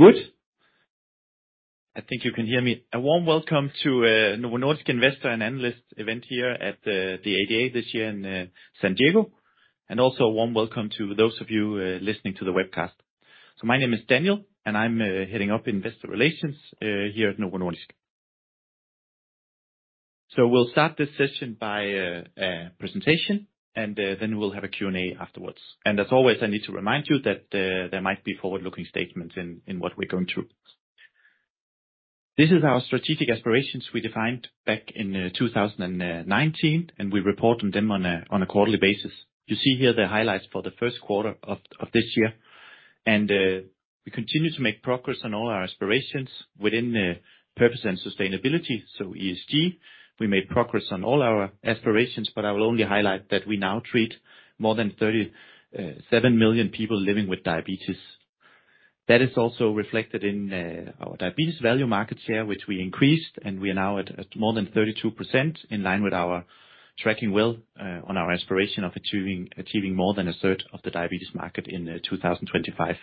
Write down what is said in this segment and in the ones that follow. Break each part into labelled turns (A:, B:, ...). A: Good. I think you can hear me. A warm welcome to Novo Nordisk Investor and Analyst event here at the ADA this year in San Diego, and also a warm welcome to those of you listening to the webcast. My name is Daniel, and I'm heading up Investor Relations here at Novo Nordisk. We'll start this session by a presentation, and then we'll have a Q&A afterwards. As always, I need to remind you that there might be forward-looking statements in what we're going through. This is our strategic aspirations we defined back in 2019, and we report on them on a quarterly basis. You see here the highlights for the Q1 of this year. We continue to make progress on all our aspirations within the purpose and sustainability, ESG. We made progress on all our aspirations, I will only highlight that we now treat more than 37 million people living with diabetes. That is also reflected in our diabetes value market share, which we increased, and we are now at more than 32%, in line with our tracking well on our aspiration of achieving more than a third of the diabetes market in 2025.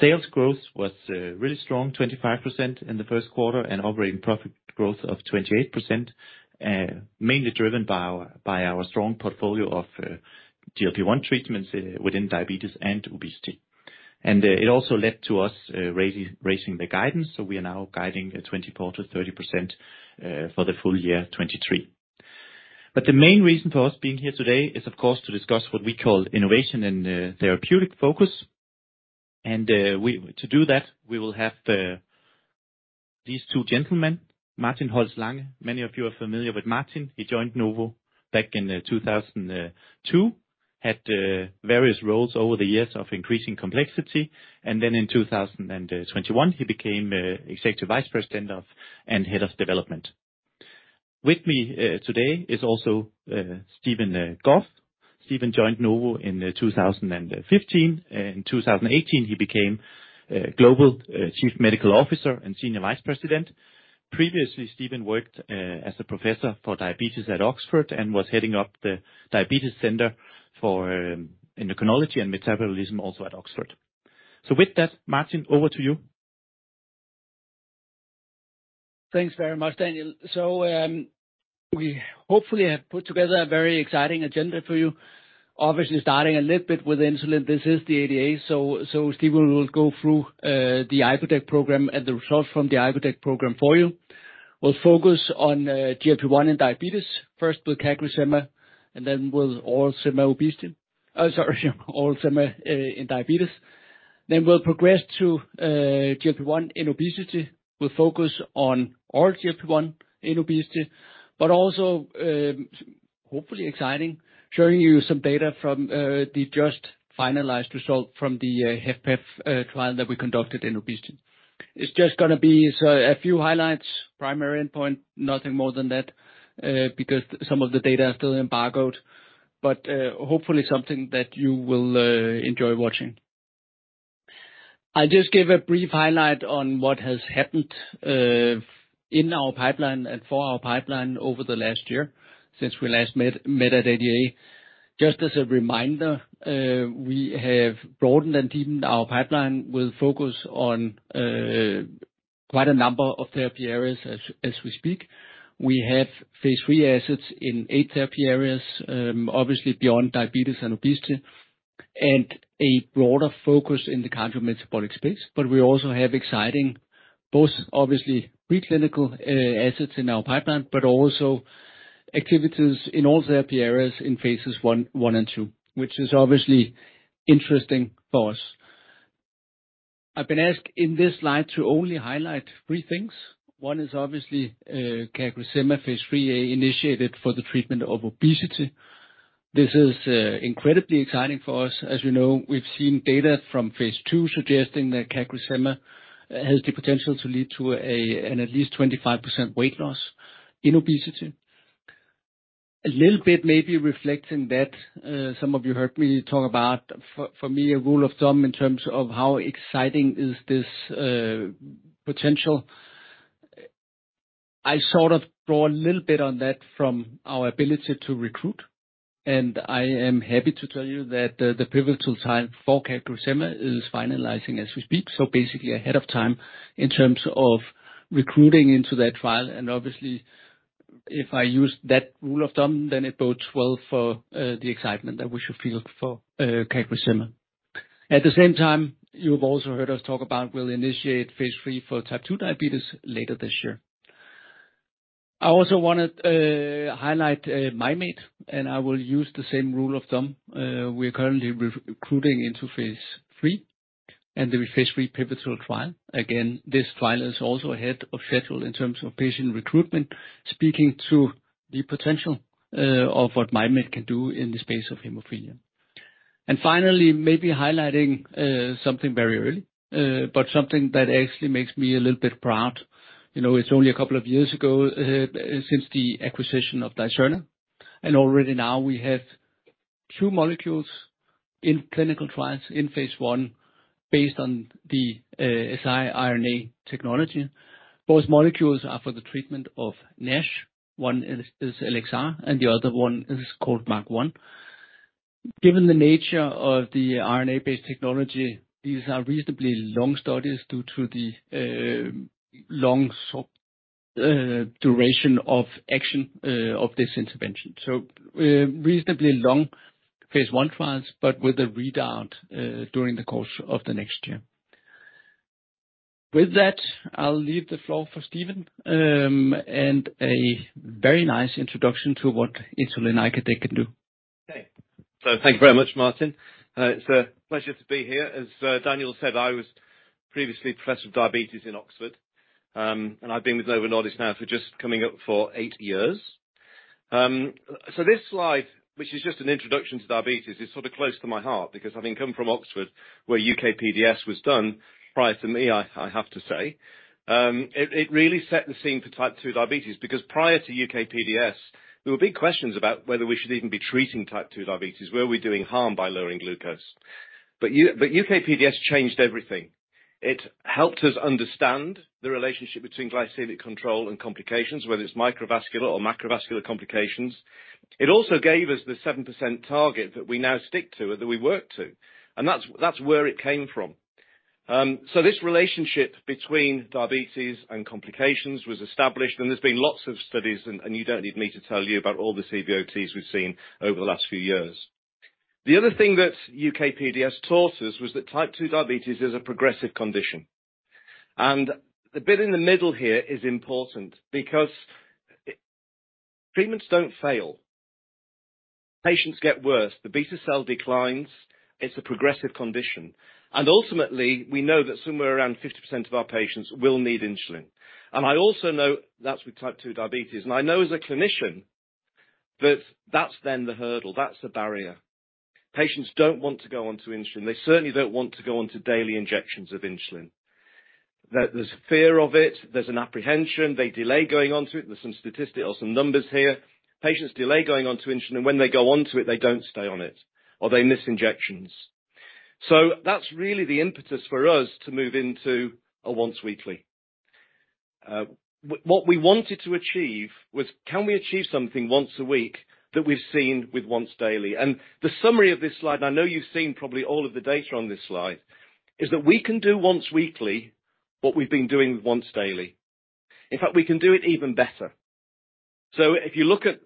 A: Sales growth was really strong, 25% in the Q1, and operating profit growth of 28%, mainly driven by our strong portfolio of GLP-1 treatments within diabetes and obesity. It also led to us raising the guidance, so we are now guiding a 24%-30% for the full year 2023. The main reason for us being here today is, of course, to discuss what we call innovation and therapeutic focus. To do that, we will have these two gentlemen, Martin Holst Lange. Many of you are familiar with Martin. He joined Novo back in 2002, had various roles over the years of increasing complexity, and then in 2021, he became Executive Vice President of, and Head of Development. With me today is also Stephen Gough. Stephen joined Novo in 2015. In 2018, he became Global Chief Medical Officer and Senior Vice President.
B: Previously, Stephen worked as a professor for diabetes at Oxford and was heading up the diabetes center for endocrinology and metabolism, also at Oxford. With that, Martin, over to you.
C: Thanks very much, Daniel. We hopefully have put together a very exciting agenda for you. Obviously, starting a little bit with insulin. This is the ADA, Stephen will go through the IPERTEC program and the results from the IPERTEC program for you. We'll focus on GLP-1 in diabetes, first with CagriSema, and then with all sema obesity. Sorry, all sema in diabetes. We'll progress to GLP-1 in obesity. We'll focus on all GLP-1 in obesity, but also, hopefully exciting, showing you some data from the just finalized result from the HFpEF trial that we conducted in obesity. It's just gonna be a few highlights, primary endpoint, nothing more than that, because some of the data are still embargoed, but hopefully something that you will enjoy watching. I just give a brief highlight on what has happened in our pipeline and for our pipeline over the last year, since we last met at ADA. Just as a reminder, we have broadened and deepened our pipeline with focus on quite a number of therapy areas as we speak. We have phase III assets in eight therapy areas, obviously beyond diabetes and obesity, and a broader focus in the cardiometabolic space. We also have exciting, both obviously, pre-clinical assets in our pipeline, but also activities in all therapy areas in phases I and II, which is obviously interesting for us. I've been asked in this slide to only highlight three things. One is obviously, CagriSema phase III, initiated for the treatment of obesity. This is incredibly exciting for us. As you know, we've seen data from phase II suggesting that CagriSema has the potential to lead to an at least 25% weight loss in obesity. A little bit maybe reflecting that some of you heard me talk about, for me, a rule of thumb in terms of how exciting is this potential. I sort of draw a little bit on that from our ability to recruit. I am happy to tell you that the pivotal time for CagriSema is finalizing as we speak, so basically ahead of time in terms of recruiting into that trial. Obviously, if I use that rule of thumb, then it bodes well for the excitement that we should feel for CagriSema. At the same time, you've also heard us talk about we'll initiate phase III for type 2 diabetes later this year. I also wanna highlight Mim8, and I will use the same rule of thumb. We are currently recruiting into phase 3, and the phase 3 pivotal trial. Again, this trial is also ahead of schedule in terms of patient recruitment, speaking to the potential of what Mim8 can do in the space of hemophilia. Finally, maybe highlighting something very early, but something that actually makes me a little bit proud. You know, it's only a couple of years ago since the acquisition of Dicerna, and already now we have 2 molecules in clinical trials based on the siRNA technology. Both molecules are for the treatment of NASH. One is LXR, and the other one is called MAC1. Given the nature of the RNA-based technology, these are reasonably long studies due to the long sort duration of action of this intervention. Reasonably long phase I trials, but with a readout during the course of the next year. I'll leave the floor for Stephen and a very nice introduction to what insulin icodec can do.
D: Thank you very much, Martin. It's a pleasure to be here. As Daniel said, I was previously Professor of Diabetes in Oxford, and I've been with Novo Nordisk now for just coming up for 8 years. This slide, which is just an introduction to diabetes, is sort of close to my heart because, having come from Oxford where UKPDS was done, prior to me, I have to say, it really set the scene for Type 2 diabetes, because prior to UKPDS, there were big questions about whether we should even be treating Type 2 diabetes. Were we doing harm by lowering glucose? UKPDS changed everything. It helped us understand the relationship between glycemic control and complications, whether it's microvascular or macrovascular complications. It also gave us the 7% target that we now stick to, and that we work to, and that's where it came from. This relationship between diabetes and complications was established, and there's been lots of studies, and you don't need me to tell you about all the CVOTs we've seen over the last few years. The other thing that UKPDS taught us was that Type 2 diabetes is a progressive condition. The bit in the middle here is important because treatments don't fail. Patients get worse. The beta cell declines. It's a progressive condition, ultimately, we know that somewhere around 50% of our patients will need insulin. I also know that's with Type 2 diabetes, I know as a clinician, that's then the hurdle, that's the barrier. Patients don't want to go onto insulin. They certainly don't want to go onto daily injections of insulin. There's fear of it, there's an apprehension. They delay going onto it. There's some statistics or some numbers here. Patients delay going onto insulin, and when they go onto it, they don't stay on it, or they miss injections. That's really the impetus for us to move into a once-weekly. What we wanted to achieve was: Can we achieve something once a week, that we've seen with once daily? The summary of this slide, I know you've seen probably all of the data on this slide, is that we can do once-weekly, what we've been doing with once daily. In fact, we can do it even better. If you look at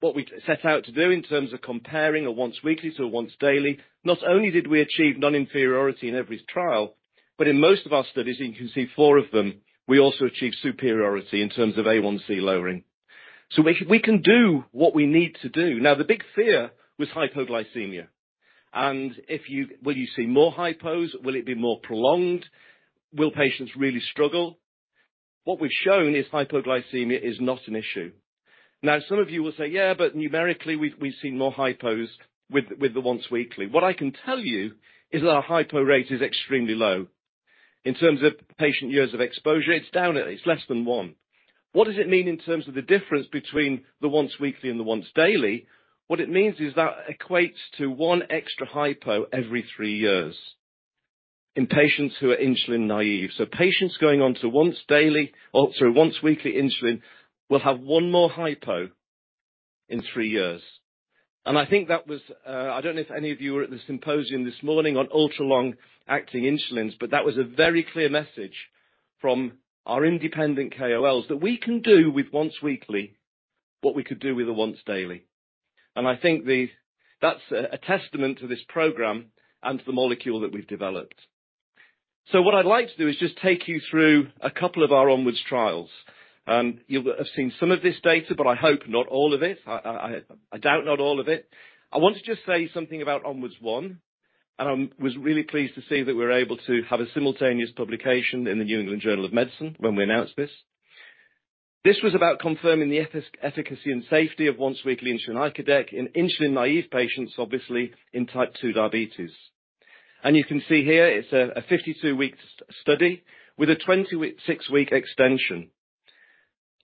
D: what we set out to do in terms of comparing a once-weekly to a once-daily, not only did we achieve non-inferiority in every trial, but in most of our studies, and you can see four of them, we also achieved superiority in terms of A1C lowering. We can do what we need to do. The big fear was hypoglycemia, and Will you see more hypos? Will it be more prolonged? Will patients really struggle? What we've shown is hypoglycemia is not an issue. Some of you will say, "Yeah, numerically, we've seen more hypos with the once-weekly." What I can tell you is that our hypo rate is extremely low. In terms of patient years of exposure, it's less than one. What does it mean in terms of the difference between the once-weekly and the once-daily? What it means is that equates to one extra hypo every three years in patients who are insulin-naïve. Patients going on to once-daily, or sorry, once-weekly insulin will have one more hypo in three years. I think that was I don't know if any of you were at the symposium this morning on ultra-long-acting insulins, but that was a very clear message from our independent KOLs, that we can do with once-weekly what we could do with a once-daily. I think that's a testament to this program and to the molecule that we've developed. What I'd like to do is just take you through a couple of our ONWARDS trials. You'll have seen some of this data, but I hope not all of it. I doubt not all of it. I want to just say something about ONWARDS 1. I was really pleased to see that we're able to have a simultaneous publication in the New England Journal of Medicine when we announced this. This was about confirming the efficacy and safety of once-weekly insulin icodec in insulin-naive patients, obviously in type 2 diabetes. You can see here, it's a 52-week study with a 26-week extension.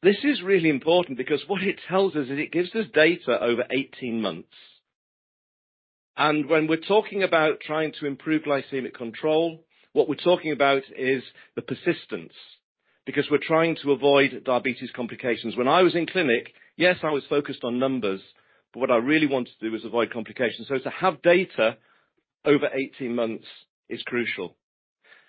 D: This is really important because what it tells us is it gives us data over 18 months. When we're talking about trying to improve glycemic control, what we're talking about is the persistence, because we're trying to avoid diabetes complications. When I was in clinic, yes, I was focused on numbers, but what I really wanted to do was avoid complications. To have data over 18 months is crucial.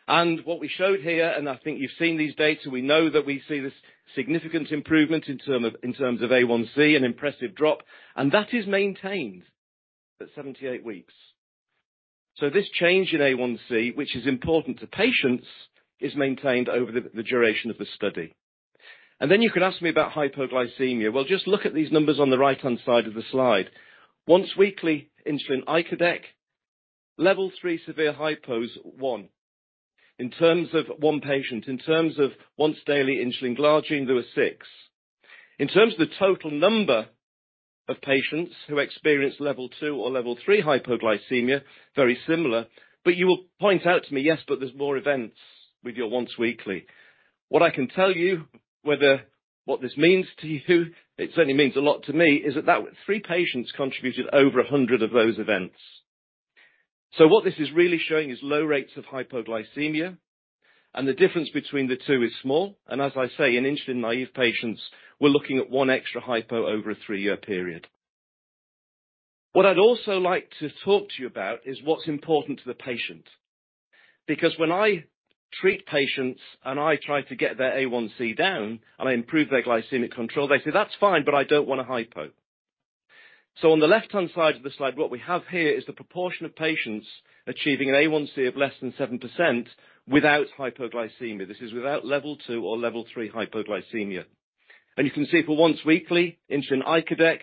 D: What we showed here, and I think you've seen these data, we know that we see this significant improvement in terms of A1C, an impressive drop, and that is maintained at 78 weeks. This change in A1C, which is important to patients, is maintained over the duration of the study. Then you could ask me about hypoglycemia. Well, just look at these numbers on the right-hand side of the slide. Once-weekly insulin icodec, Level 3 severe hypos, 1. In terms of 1 patient, in terms of once-daily insulin glargine, there were 6. In terms of the total number of patients who experienced Level 2 or Level 3 hypoglycemia, very similar, you will point out to me, "Yes, but there's more events with your once-weekly." What I can tell you, whether. What this means to you, it certainly means a lot to me, is that 3 patients contributed over 100 of those events. What this is really showing is low rates of hypoglycemia, and the difference between the two is small, and as I say, in insulin-naive patients, we're looking at 1 extra hypo over a 3-year period. What I'd also like to talk to you about is what's important to the patient. Because when I treat patients, and I try to get their A1C down, and I improve their glycemic control, they say, "That's fine, but I don't want a hypo." On the left-hand side of the slide, what we have here is the proportion of patients achieving an A1C of less than 7% without hypoglycemia. This is without Level 2 or Level 3 hypoglycemia. You can see for once-weekly insulin icodec,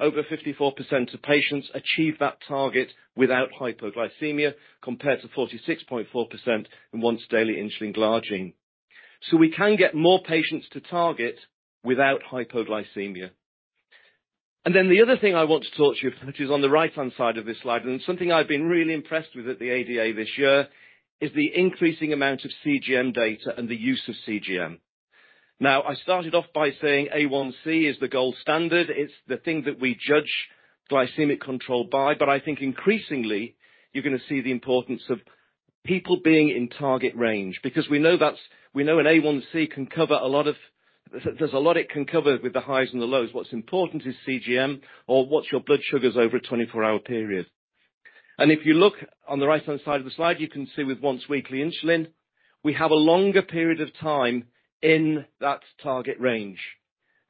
D: over 54% of patients achieve that target without hypoglycemia, compared to 46.4% in once-daily insulin glargine. We can get more patients to target without hypoglycemia. The other thing I want to talk to you about, which is on the right-hand side of this slide, and something I've been really impressed with at the ADA this year, is the increasing amount of CGM data and the use of CGM. Now, I started off by saying A1C is the gold standard. It's the thing that we judge glycemic control by, but I think increasingly, you're going to see the importance of people being in target range, because we know an A1C can cover a lot of... There's a lot it can cover with the highs and the lows. What's important is CGM or what's your blood sugars over a 24-hour period. If you look on the right-hand side of the slide, you can see with once-weekly insulin, we have a longer period of time in that target range.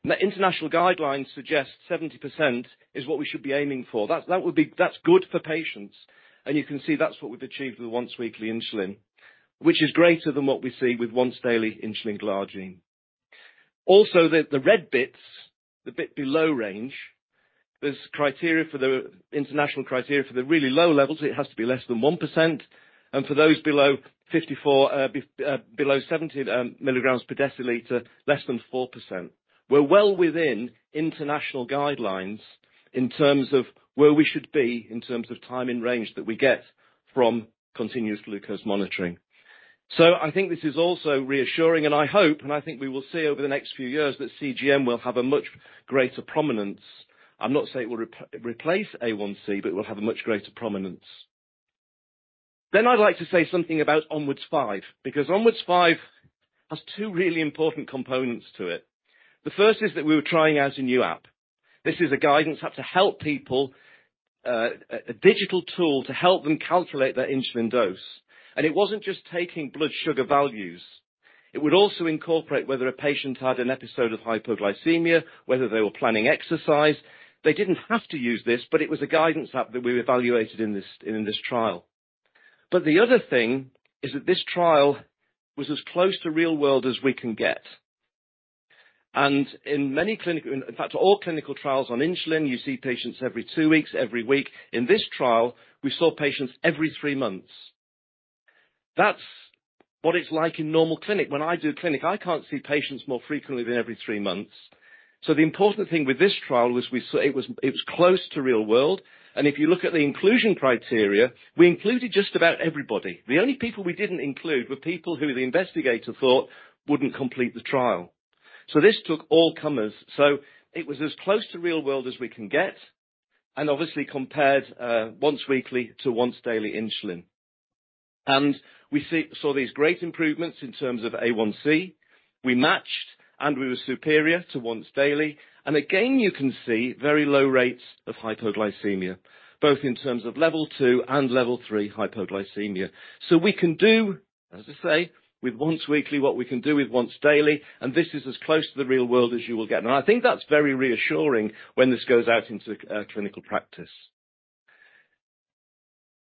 D: The international guidelines suggest 70% is what we should be aiming for. That's good for patients, and you can see that's what we've achieved with the once-weekly insulin, which is greater than what we see with once-daily insulin glargine. Also, the red bits, the bit below range, there's criteria for the international criteria for the really low levels, it has to be less than 1%, and for those below 54, below 70 mg/dl, less than 4%. We're well within international guidelines in terms of where we should be, in terms of time and range that we get from continuous glucose monitoring. I think this is alsoassuring, and I hope, and I think we will see over the next few years, that CGM will have a much greater prominence. I'm not saying it will replace A1C, but it will have a much greater prominence. I'd like to say something about ONWARDS 5, because ONWARDS 5 has 2 really important components to it. The first is that we were trying out a new app. This is a guidance app to help people, a digital tool to help them calculate their insulin dose. It wasn't just taking blood sugar values. It would also incorporate whether a patient had an episode of hypoglycemia, whether they were planning exercise. They didn't have to use this, but it was a guidance app that we evaluated in this trial. The other thing is that this trial was as close to real world as we can get. In fact, all clinical trials on insulin, you see patients every 2 weeks, every week. In this trial, we saw patients every 3 months. That's what it's like in normal clinic. When I do clinic, I can't see patients more frequently than every 3 months. The important thing with this trial was it was close to real world, and if you look at the inclusion criteria, we included just about everybody. The only people we didn't include were people who the investigator thought wouldn't complete the trial. This took all comers. It was as close to real world as we can get, and obviously compared once-weekly to once-daily insulin. We saw these great improvements in terms of A1C. We matched, and we were superior to once-daily. Again, you can see very low rates of hypoglycemia, both in terms of Level 2 and Level 3 hypoglycemia. We can do, as I say, with once-weekly, what we can do with once-daily, and this is as close to the real world as you will get. I think that's very reassuring when this goes out into clinical practice.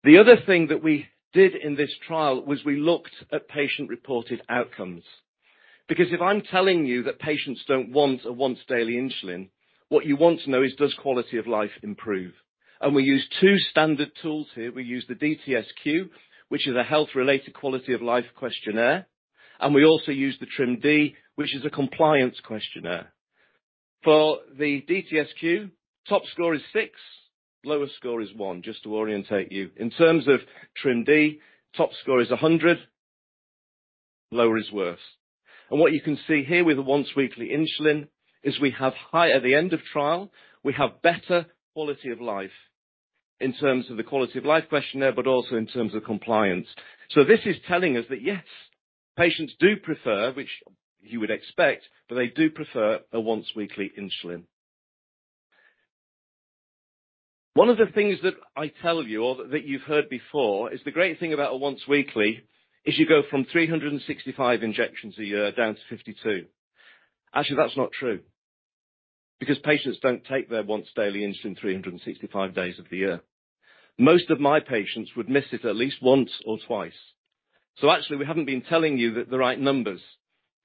D: The other thing that we did in this trial was we looked at patient-reported outcomes. If I'm telling you that patients don't want a once-daily insulin, what you want to know is, does quality of life improve? We used 2 standard tools here. We used the DTSQ, which is a health-related quality of life questionnaire. We also used the TRIM D, which is a compliance questionnaire. For the DTSQ, top score is 6, lowest score is 1, just to orientate you. In terms of TRIM D, top score is 100, lower is worse. What you can see here with the once-weekly insulin, is we have high at the end of trial, we have better quality of life in terms of the quality of life questionnaire, but also in terms of compliance. This is telling us that, yes, patients do prefer, which you would expect, but they do prefer a once-weekly insulin. One of the things that I tell you or that you've heard before, is the great thing about a once-weekly, is you go from 365 injections a year down to 52. Actually, that's not true. Because patients don't take their once-daily insulin 365 days of the year. Most of my patients would miss it at least once or twice. Actually, we haven't been telling you the right numbers,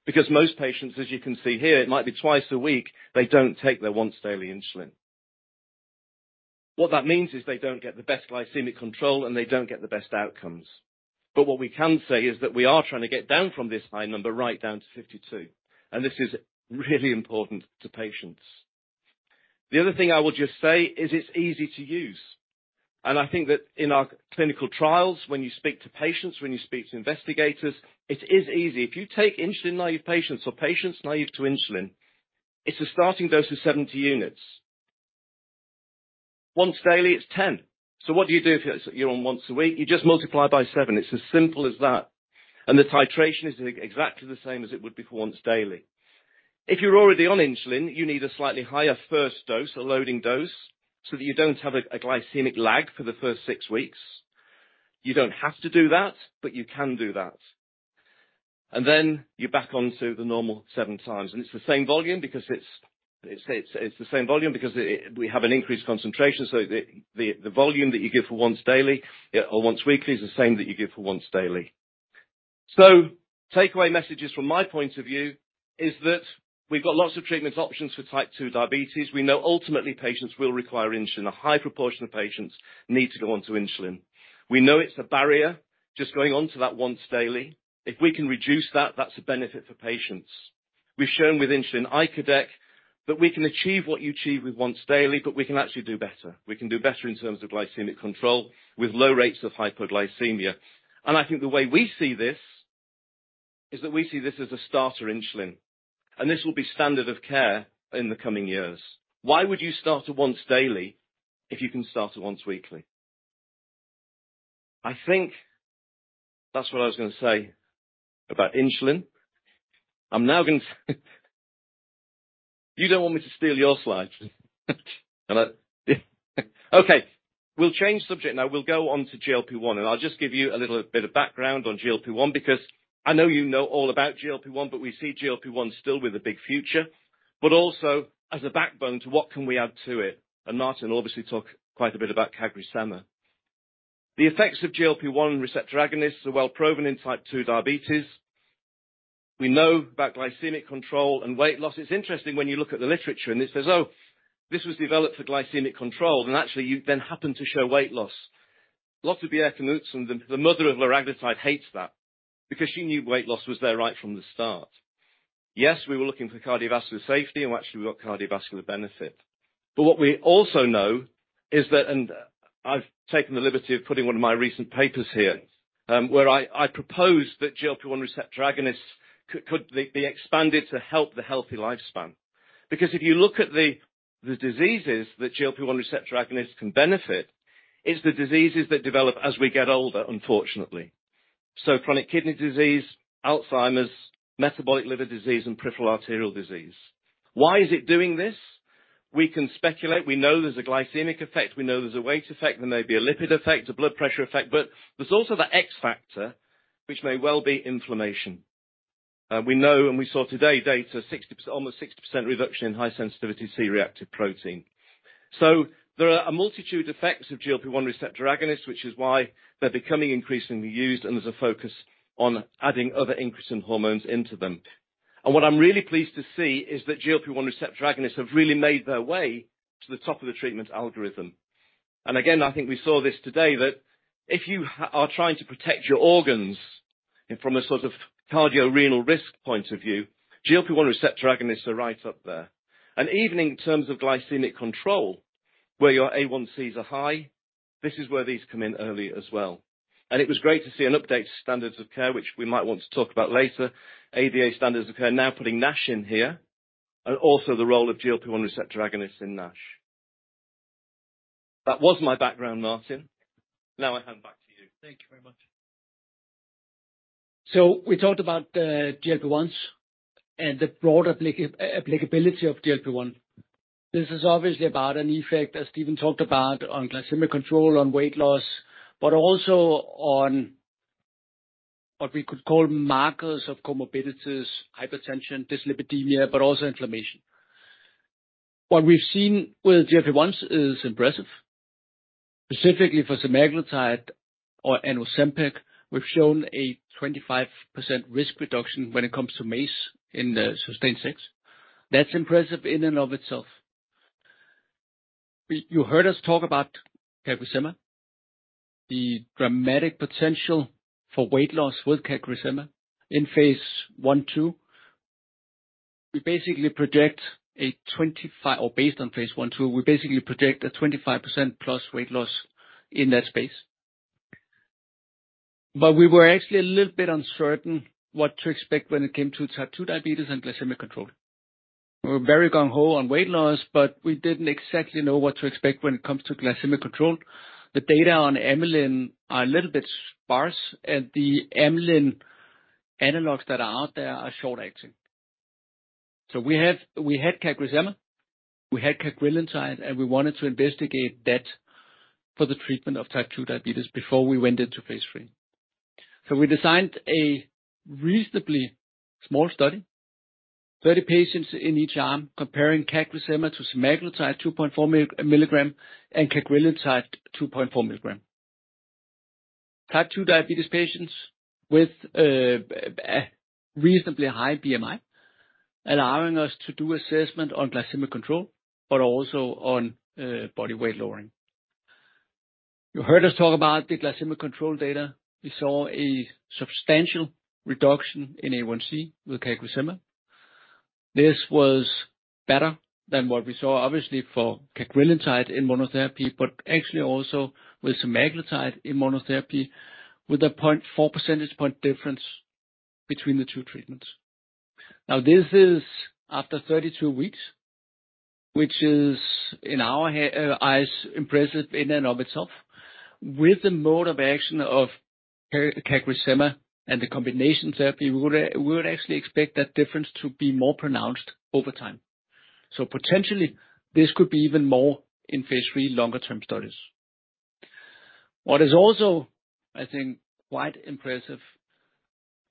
D: because most patients, as you can see here, it might be twice a week, they don't take their once-daily insulin. What that means is they don't get the best glycemic control, and they don't get the best outcomes. What we can say is that we are trying to get down from this high number, right down to 52, and this is really important to patients. The other thing I will just say is it's easy to use. I think that in our clinical trials, when you speak to patients, when you speak to investigators, it is easy. If you take insulin-naive patients or patients naive to insulin, it's a starting dose of 70 units. Once daily, it's 10. What do you do if you're on once a week? You just multiply by 7. It's as simple as that. The titration is exactly the same as it would be for once daily. If you're already on insulin, you need a slightly higher first dose, a loading dose, so that you don't have a glycemic lag for the first 6 weeks. You don't have to do that, but you can do that. Then you're back on to the normal 7 times. It's the same volume because it's the same volume because we have an increased concentration, so the volume that you give for once daily or once weekly is the same that you give for once daily. Takeaway messages from my point of view is that we've got lots of treatment options for type 2 diabetes. We know ultimately patients will require insulin. A high proportion of patients need to go onto insulin. We know it's a barrier, just going on to that once-daily. If we can reduce that's a benefit for patients. We've shown with insulin icodec that we can achieve what you achieve with once-daily, but we can actually do better. We can do better in terms of glycemic control with low rates of hypoglycemia. I think the way we see this is that we see this as a starter insulin, and this will be standard of care in the coming years. Why would you start a once-daily if you can start a once-weekly? I think that's what I was gonna say about insulin. You don't want me to steal your slides. Hello? Yeah. Okay, we'll change subject now. We'll go on to GLP-1. I'll just give you a little bit of background on GLP-1, because I know you know all about GLP-1, but we see GLP-1 still with a big future, but also as a backbone to what can we add to it? Martin will obviously talk quite a bit about CagriSema. The effects of GLP-1 receptor agonists are well proven in type 2 diabetes. We know about glycemic control and weight loss. It's interesting when you look at the literature and it says, "Oh, this was developed for glycemic control," and actually, you then happen to show weight loss. Lots of the efforts, and the mother of liraglutide hates that because she knew weight loss was there right from the start. We were looking for cardiovascular safety, and actually, we got cardiovascular benefit. What we also know is that, and I've taken the liberty of putting one of my recent papers here, where I propose that GLP-1 receptor agonists could be expanded to help the healthy lifespan. If you look at the diseases that GLP-1 receptor agonists can benefit, it's the diseases that develop as we get older, unfortunately. Chronic kidney disease, Alzheimer's, metabolic liver disease, and peripheral artery disease. Why is it doing this? We can speculate. We know there's a glycemic effect. We know there's a weight effect. There may be a lipid effect, a blood pressure effect, but there's also the X factor, which may well be inflammation. We know, and we saw today, data almost 60% reduction in high-sensitivity C-reactive protein. There are a multitude of effects of GLP-1 receptor agonists, which is why they're becoming increasingly used, and there's a focus on adding other incretin hormones into them. What I'm really pleased to see is that GLP-1 receptor agonists have really made their way to the top of the treatment algorithm. Again, I think we saw this today, that if you are trying to protect your organs, and from a sort of cardiorenal risk point of view, GLP-1 receptor agonists are right up there. Even in terms of glycemic control, where your A1Cs are high, this is where these come in early as well. It was great to see an update to standards of care, which we might want to talk about later. ADA standards of care now putting NASH in here, and also the role of GLP-1 receptor agonists in NASH. That was my background, Martin. Now I hand back to you. Thank you very much.
C: We talked about the GLP-1s and the broader applicability of GLP-1. This is obviously about an effect, as Stephen talked about, on glycemic control, on weight loss, but also on what we could call markers of comorbidities, hypertension, dyslipidemia, but also inflammation. What we've seen with GLP-1s is impressive. Specifically for semaglutide or Ozempic, we've shown a 25% risk reduction when it comes to MACE in the SustAIN-6. That's impressive in and of itself. You heard us talk about CagriSema, the dramatic potential for weight loss with CagriSema in phase I/II. Based on phase I/II, we basically project a 25% plus weight loss in that space. We were actually a little bit uncertain what to expect when it came to type 2 diabetes and glycemic control. We were very gung ho on weight loss, but we didn't exactly know what to expect when it comes to glycemic control. The data on amylin are a little bit sparse, and the amylin analogs that are out there are short-acting. We had CagriSema, we had cagrilintide, and we wanted to investigate that for the treatment of type 2 diabetes before we went into phase 3. We designed a reasonably small study, 30 patients in each arm, comparing CagriSema to semaglutide, 2.4 milligram, and cagrilintide, 2.4 milligram. Type 2 diabetes patients with a reasonably high BMI, allowing us to do assessment on glycemic control, but also on body weight lowering. You heard us talk about the glycemic control data. We saw a substantial reduction in A1c with CagriSema. This was better than what we saw, obviously, for cagrilintide in monotherapy, but actually also with semaglutide in monotherapy, with a 0.4 percentage point difference between the two treatments. This is after 32 weeks, which is, in our eyes, impressive in and of itself. With the mode of action of CagriSema and the combination therapy, we would actually expect that difference to be more pronounced over time. Potentially, this could be even more in phase 3 longer term studies. What is also, I think, quite impressive,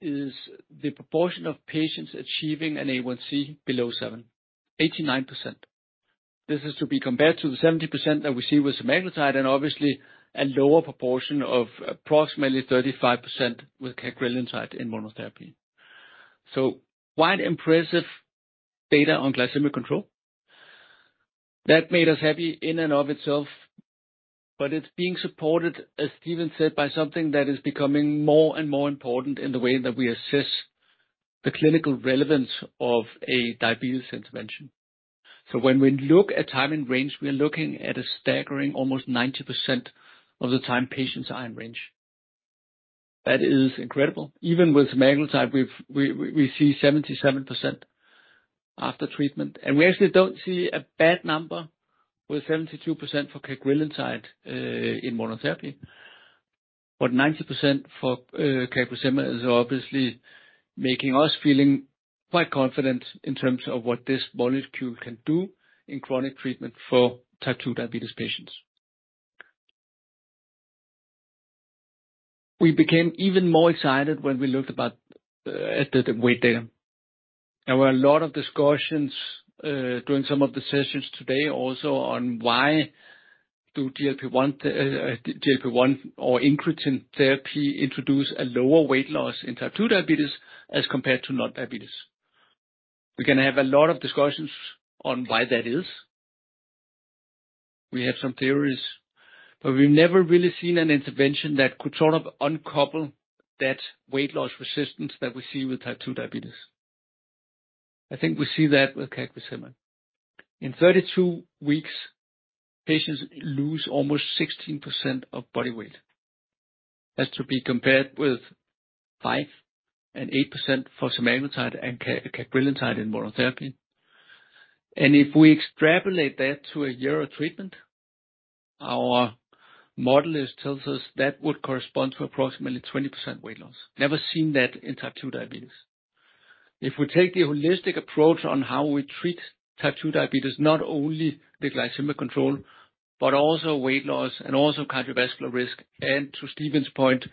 C: is the proportion of patients achieving an A1C below 7, 89%. This is to be compared to the 70% that we see with semaglutide, and obviously a lower proportion of approximately 35% with cagrilintide in monotherapy. Quite impressive data on glycemic control. That made us happy in and of itself, but it's being supported, as Stephen said, by something that is becoming more and more important in the way that we assess the clinical relevance of a diabetes intervention. When we look at time and range, we are looking at a staggering, almost 90% of the time, patients are in range. That is incredible. Even with semaglutide, we see 77% after treatment, and we actually don't see a bad number, with 72% for cagrilintide in monotherapy. 90% for cagrisema is obviously making us feeling quite confident in terms of what this molecule can do in chronic treatment for type 2 diabetes patients. We became even more excited when we looked at the weight data. There were a lot of discussions during some of the sessions today, also on why do GLP-1 or incretin therapy introduce a lower weight loss in type 2 diabetes as compared to non-diabetes? We're gonna have a lot of discussions on why that is. We have some theories, but we've never really seen an intervention that could sort of uncouple that weight loss resistance that we see with type 2 diabetes. I think we see that with CagriSema. In 32 weeks, patients lose almost 16% of body weight. That's to be compared with 5% and 8% for semaglutide and cagrilintide in monotherapy. If we extrapolate that to a year of treatment, our modelist tells us that would correspond to approximately 20% weight loss. Never seen that in type 2 diabetes. If we take the holistic approach on how we treat type 2 diabetes, not only the glycemic control, but also weight loss and also cardiovascular risk, and to Stephen's point,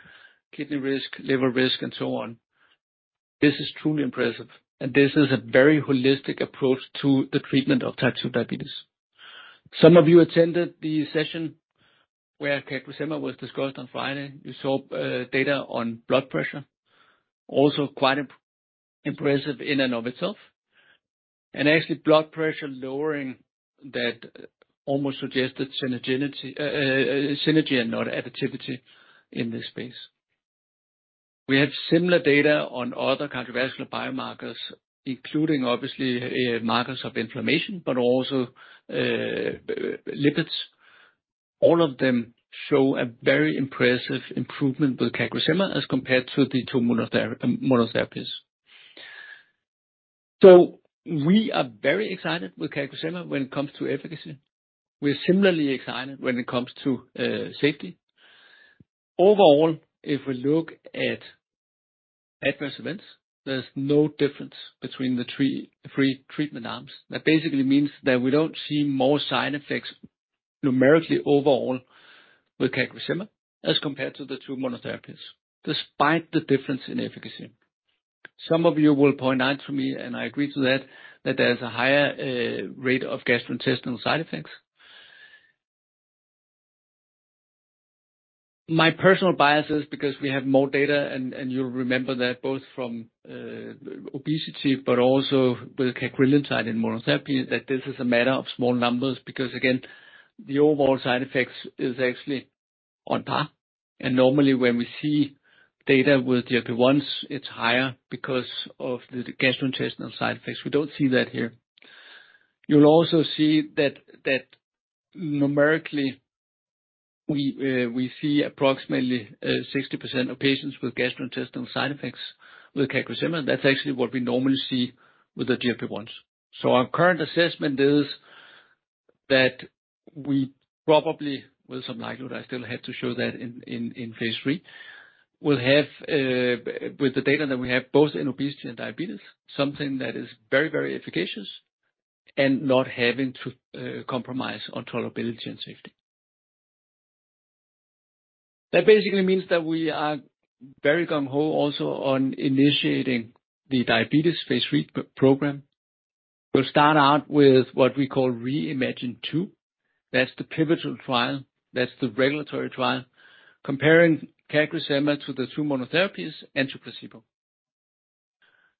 C: kidney risk, liver risk, and so on, this is truly impressive. This is a very holistic approach to the treatment of type 2 diabetes. Some of you attended the session where CagriSema was discussed on Friday. You saw data on blood pressure, also quite impressive in and of itself, and actually blood pressure lowering that almost suggested synergy and not additivity in this space. We had similar data on other cardiovascular biomarkers, including, obviously, markers of inflammation, but also lipids. All of them show a very impressive improvement with CagriSema as compared to the two monotherapies. We are very excited with CagriSema when it comes to efficacy. We're similarly excited when it comes to safety. Overall, if we look at adverse events, there's no difference between the three treatment arms. That basically means that we don't see more side effects numerically overall with CagriSema as compared to the two monotherapies, despite the difference in efficacy. Some of you will point out to me, and I agree to that there's a higher rate of gastrointestinal side effects. My personal bias is because we have more data, and you'll remember that both from obesity, but also with cagrilintide in monotherapy, that this is a matter of small numbers, because, again, the overall side effects is actually on par. Normally, when we see data with GLP-1s, it's higher because of the gastrointestinal side effects. We don't see that here. You'll also see that numerically, we see approximately 60% of patients with gastrointestinal side effects with CagriSema. That's actually what we normally see with the GLP-1s. Our current assessment is that we probably, with some likelihood, I still have to show that in phase 3, we'll have with the data that we have, both in obesity and diabetes, something that is very efficacious and not having to compromise on tolerability and safety. That basically means that we are very gung-ho also on initiating the diabetes phase 3 program. We'll start out with what we call REIMAGINE-2. That's the pivotal trial, that's the regulatory trial, comparing CagriSema to the two monotherapies and to placebo....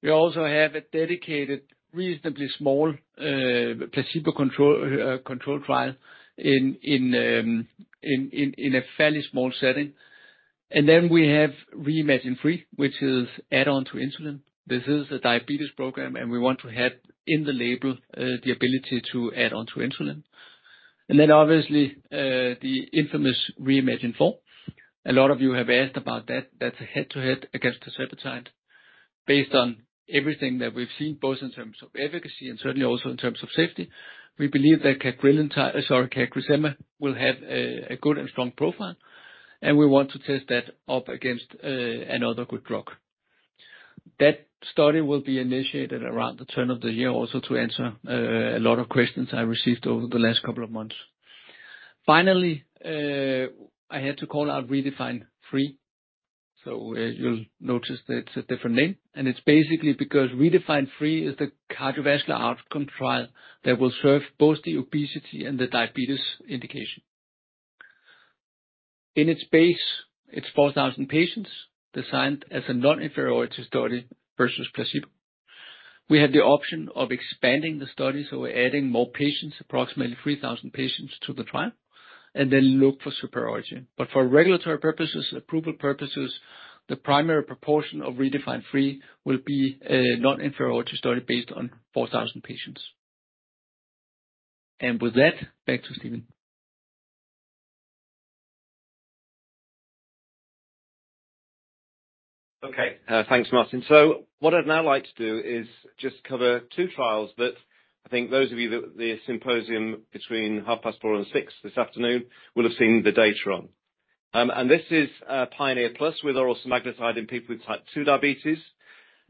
C: We also have a dedicated, reasonably small, placebo control trial in a fairly small setting. We have REIMAGINE 3, which is add-on to insulin. This is a diabetes program, and we want to have, in the label, the ability to add on to insulin. Obviously, the infamous REIMAGINE 4. A lot of you have asked about that. That's a head-to-head against tirzepatide. Based on everything that we've seen, both in terms of efficacy and certainly also in terms of safety, we believe that cagrilintide, CagriSema will have a good and strong profile, and we want to test that up against another good drug. That study will be initiated around the turn of the year. To answer a lot of questions I received over the last couple of months. Finally, I had to call out REDEFINE 3. You'll notice that it's a different name, and it's basically because REDEFINE 3 is the cardiovascular outcome trial that will serve both the obesity and the diabetes indication. In its base, it's 4,000 patients, designed as a non-inferiority study versus placebo. We have the option of expanding the study, so we're adding more patients, approximately 3,000 patients, to the trial, and then look for superiority. For regulatory purposes, approval purposes, the primary proportion of REDEFINE 3 will be a non-inferiority study based on 4,000 patients. With that, back to Stephen.
D: Okay, thanks, Martin. What I'd now like to do is just cover two trials that I think those of you at the symposium between half past four and six this afternoon will have seen the data on. This is Pioneer Plus with oral semaglutide in people with type 2 diabetes.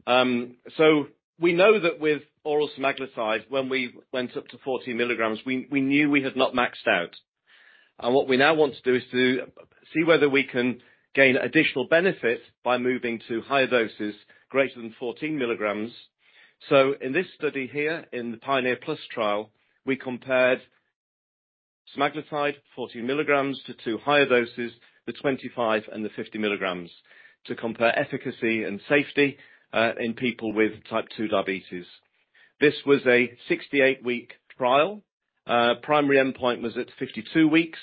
D: We know that with oral semaglutide, when we went up to 14 milligrams, we knew we had not maxed out. What we now want to do is to see whether we can gain additional benefit by moving to higher doses greater than 14 milligrams. In this study here, in the Pioneer Plus trial, we compared semaglutide 14 milligrams to two higher doses, the 25 and the 50 milligrams, to compare efficacy and safety in people with type 2 diabetes. This was a 68-week trial. Primary endpoint was at 52 weeks.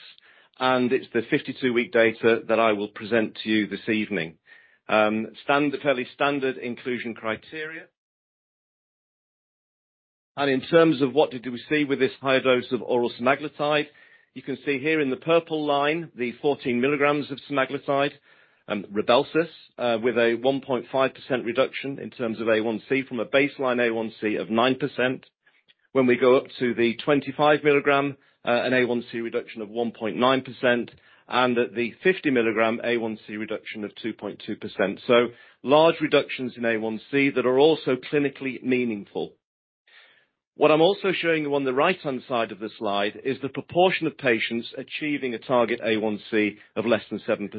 D: It's the 52-week data that I will present to you this evening. Standard, fairly standard inclusion criteria. In terms of what did we see with this higher dose of oral semaglutide, you can see here in the purple line, the 14 milligrams of semaglutide, Rybelsus, with a 1.5% reduction in terms of A1c from a baseline A1c of 9%. When we go up to the 25 milligram, an A1c reduction of 1.9%, and at the 50 milligram, A1c reduction of 2.2%. Large reductions in A1c that are also clinically meaningful. What I'm also showing you on the right-hand side of the slide is the proportion of patients achieving a target A1c of less than 7%.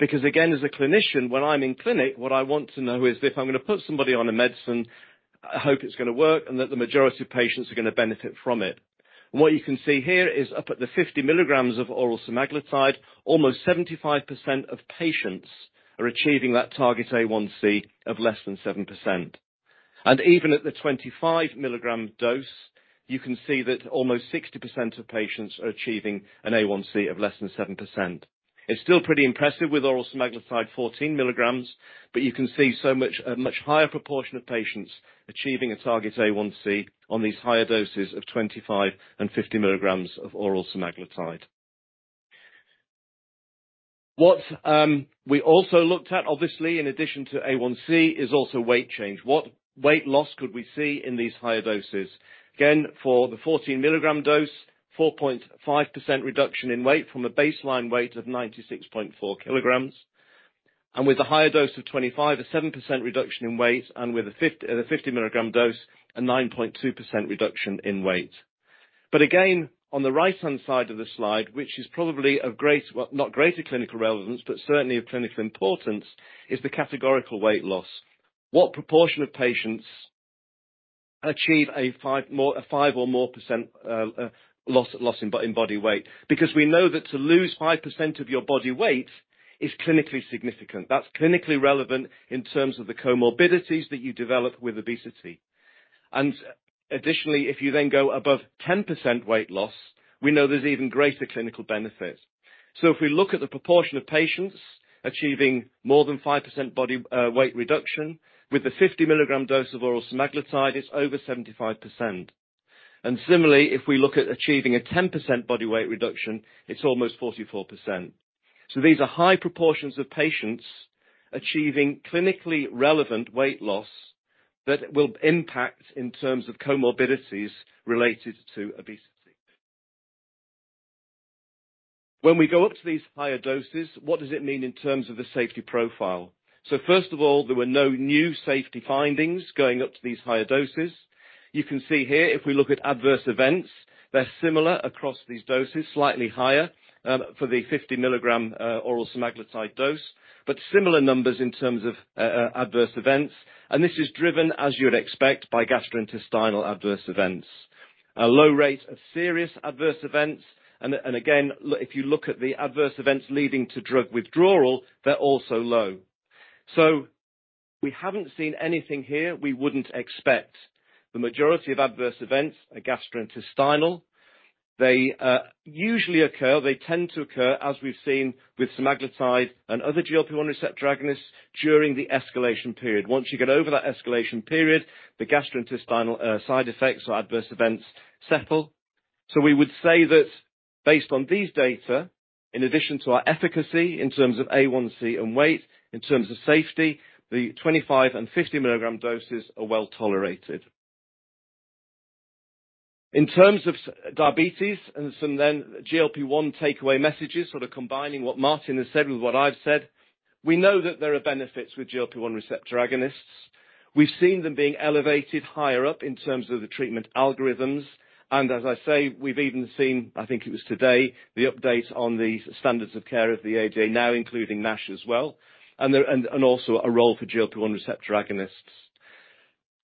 D: Again, as a clinician, when I'm in clinic, what I want to know is if I'm going to put somebody on a medicine, I hope it's going to work, and that the majority of patients are going to benefit from it. What you can see here is up at the 50 milligrams of oral semaglutide, almost 75% of patients are achieving that target A1C of less than 7%. Even at the 25 milligram dose, you can see that almost 60% of patients are achieving an A1C of less than 7%. It's still pretty impressive with oral semaglutide 14 milligrams, but you can see so much, a much higher proportion of patients achieving a target A1C on these higher doses of 25 and 50 milligrams of oral semaglutide. What we also looked at, obviously, in addition to A1C, is also weight change. What weight loss could we see in these higher doses? Again, for the 14 milligram dose, 4.5% reduction in weight from a baseline weight of 96.4 kilograms. With a higher dose of 25, a 7% reduction in weight, with a 50 milligram dose, a 9.2% reduction in weight. Again, on the right-hand side of the slide, which is probably of great, well, not greater clinical relevance, but certainly of clinical importance, is the categorical weight loss. What proportion of patients achieve 5% or more loss in body weight? We know that to lose 5% of your body weight is clinically significant. That's clinically relevant in terms of the comorbidities that you develop with obesity. Additionally, if you then go above 10% weight loss, we know there's even greater clinical benefit. If we look at the proportion of patients achieving more than 5% body weight reduction, with a 50 milligram dose of oral semaglutide, it's over 75%. Similarly, if we look at achieving a 10% body weight reduction, it's almost 44%. These are high proportions of patients achieving clinically relevant weight loss that will impact in terms of comorbidities related to obesity. When we go up to these higher doses, what does it mean in terms of the safety profile? First of all, there were no new safety findings going up to these higher doses. You can see here, if we look at adverse events, they're similar across these doses, slightly higher for the 50 milligram oral semaglutide dose, but similar numbers in terms of adverse events. This is driven, as you would expect, by gastrointestinal adverse events. A low rate of serious adverse events. Again, if you look at the adverse events leading to drug withdrawal, they're also low. We haven't seen anything here we wouldn't expect. The majority of adverse events are gastrointestinal. They usually occur, they tend to occur, as we've seen with semaglutide and other GLP-1 receptor agonists, during the escalation period. Once you get over that escalation period, the gastrointestinal side effects or adverse events settle. We would say that based on these data, in addition to our efficacy in terms of A1C and weight, in terms of safety, the 25 and 50 milligram doses are well-tolerated. In terms of diabetes and some then GLP-1 takeaway messages, sort of combining what Martin has said with what I've said, we know that there are benefits with GLP-1 receptor agonists. We've seen them being elevated higher up in terms of the treatment algorithms, and as I say, we've even seen, I think it was today, the update on the standards of care of the ADA, now including NASH as well, and there... Also a role for GLP-1 receptor agonists.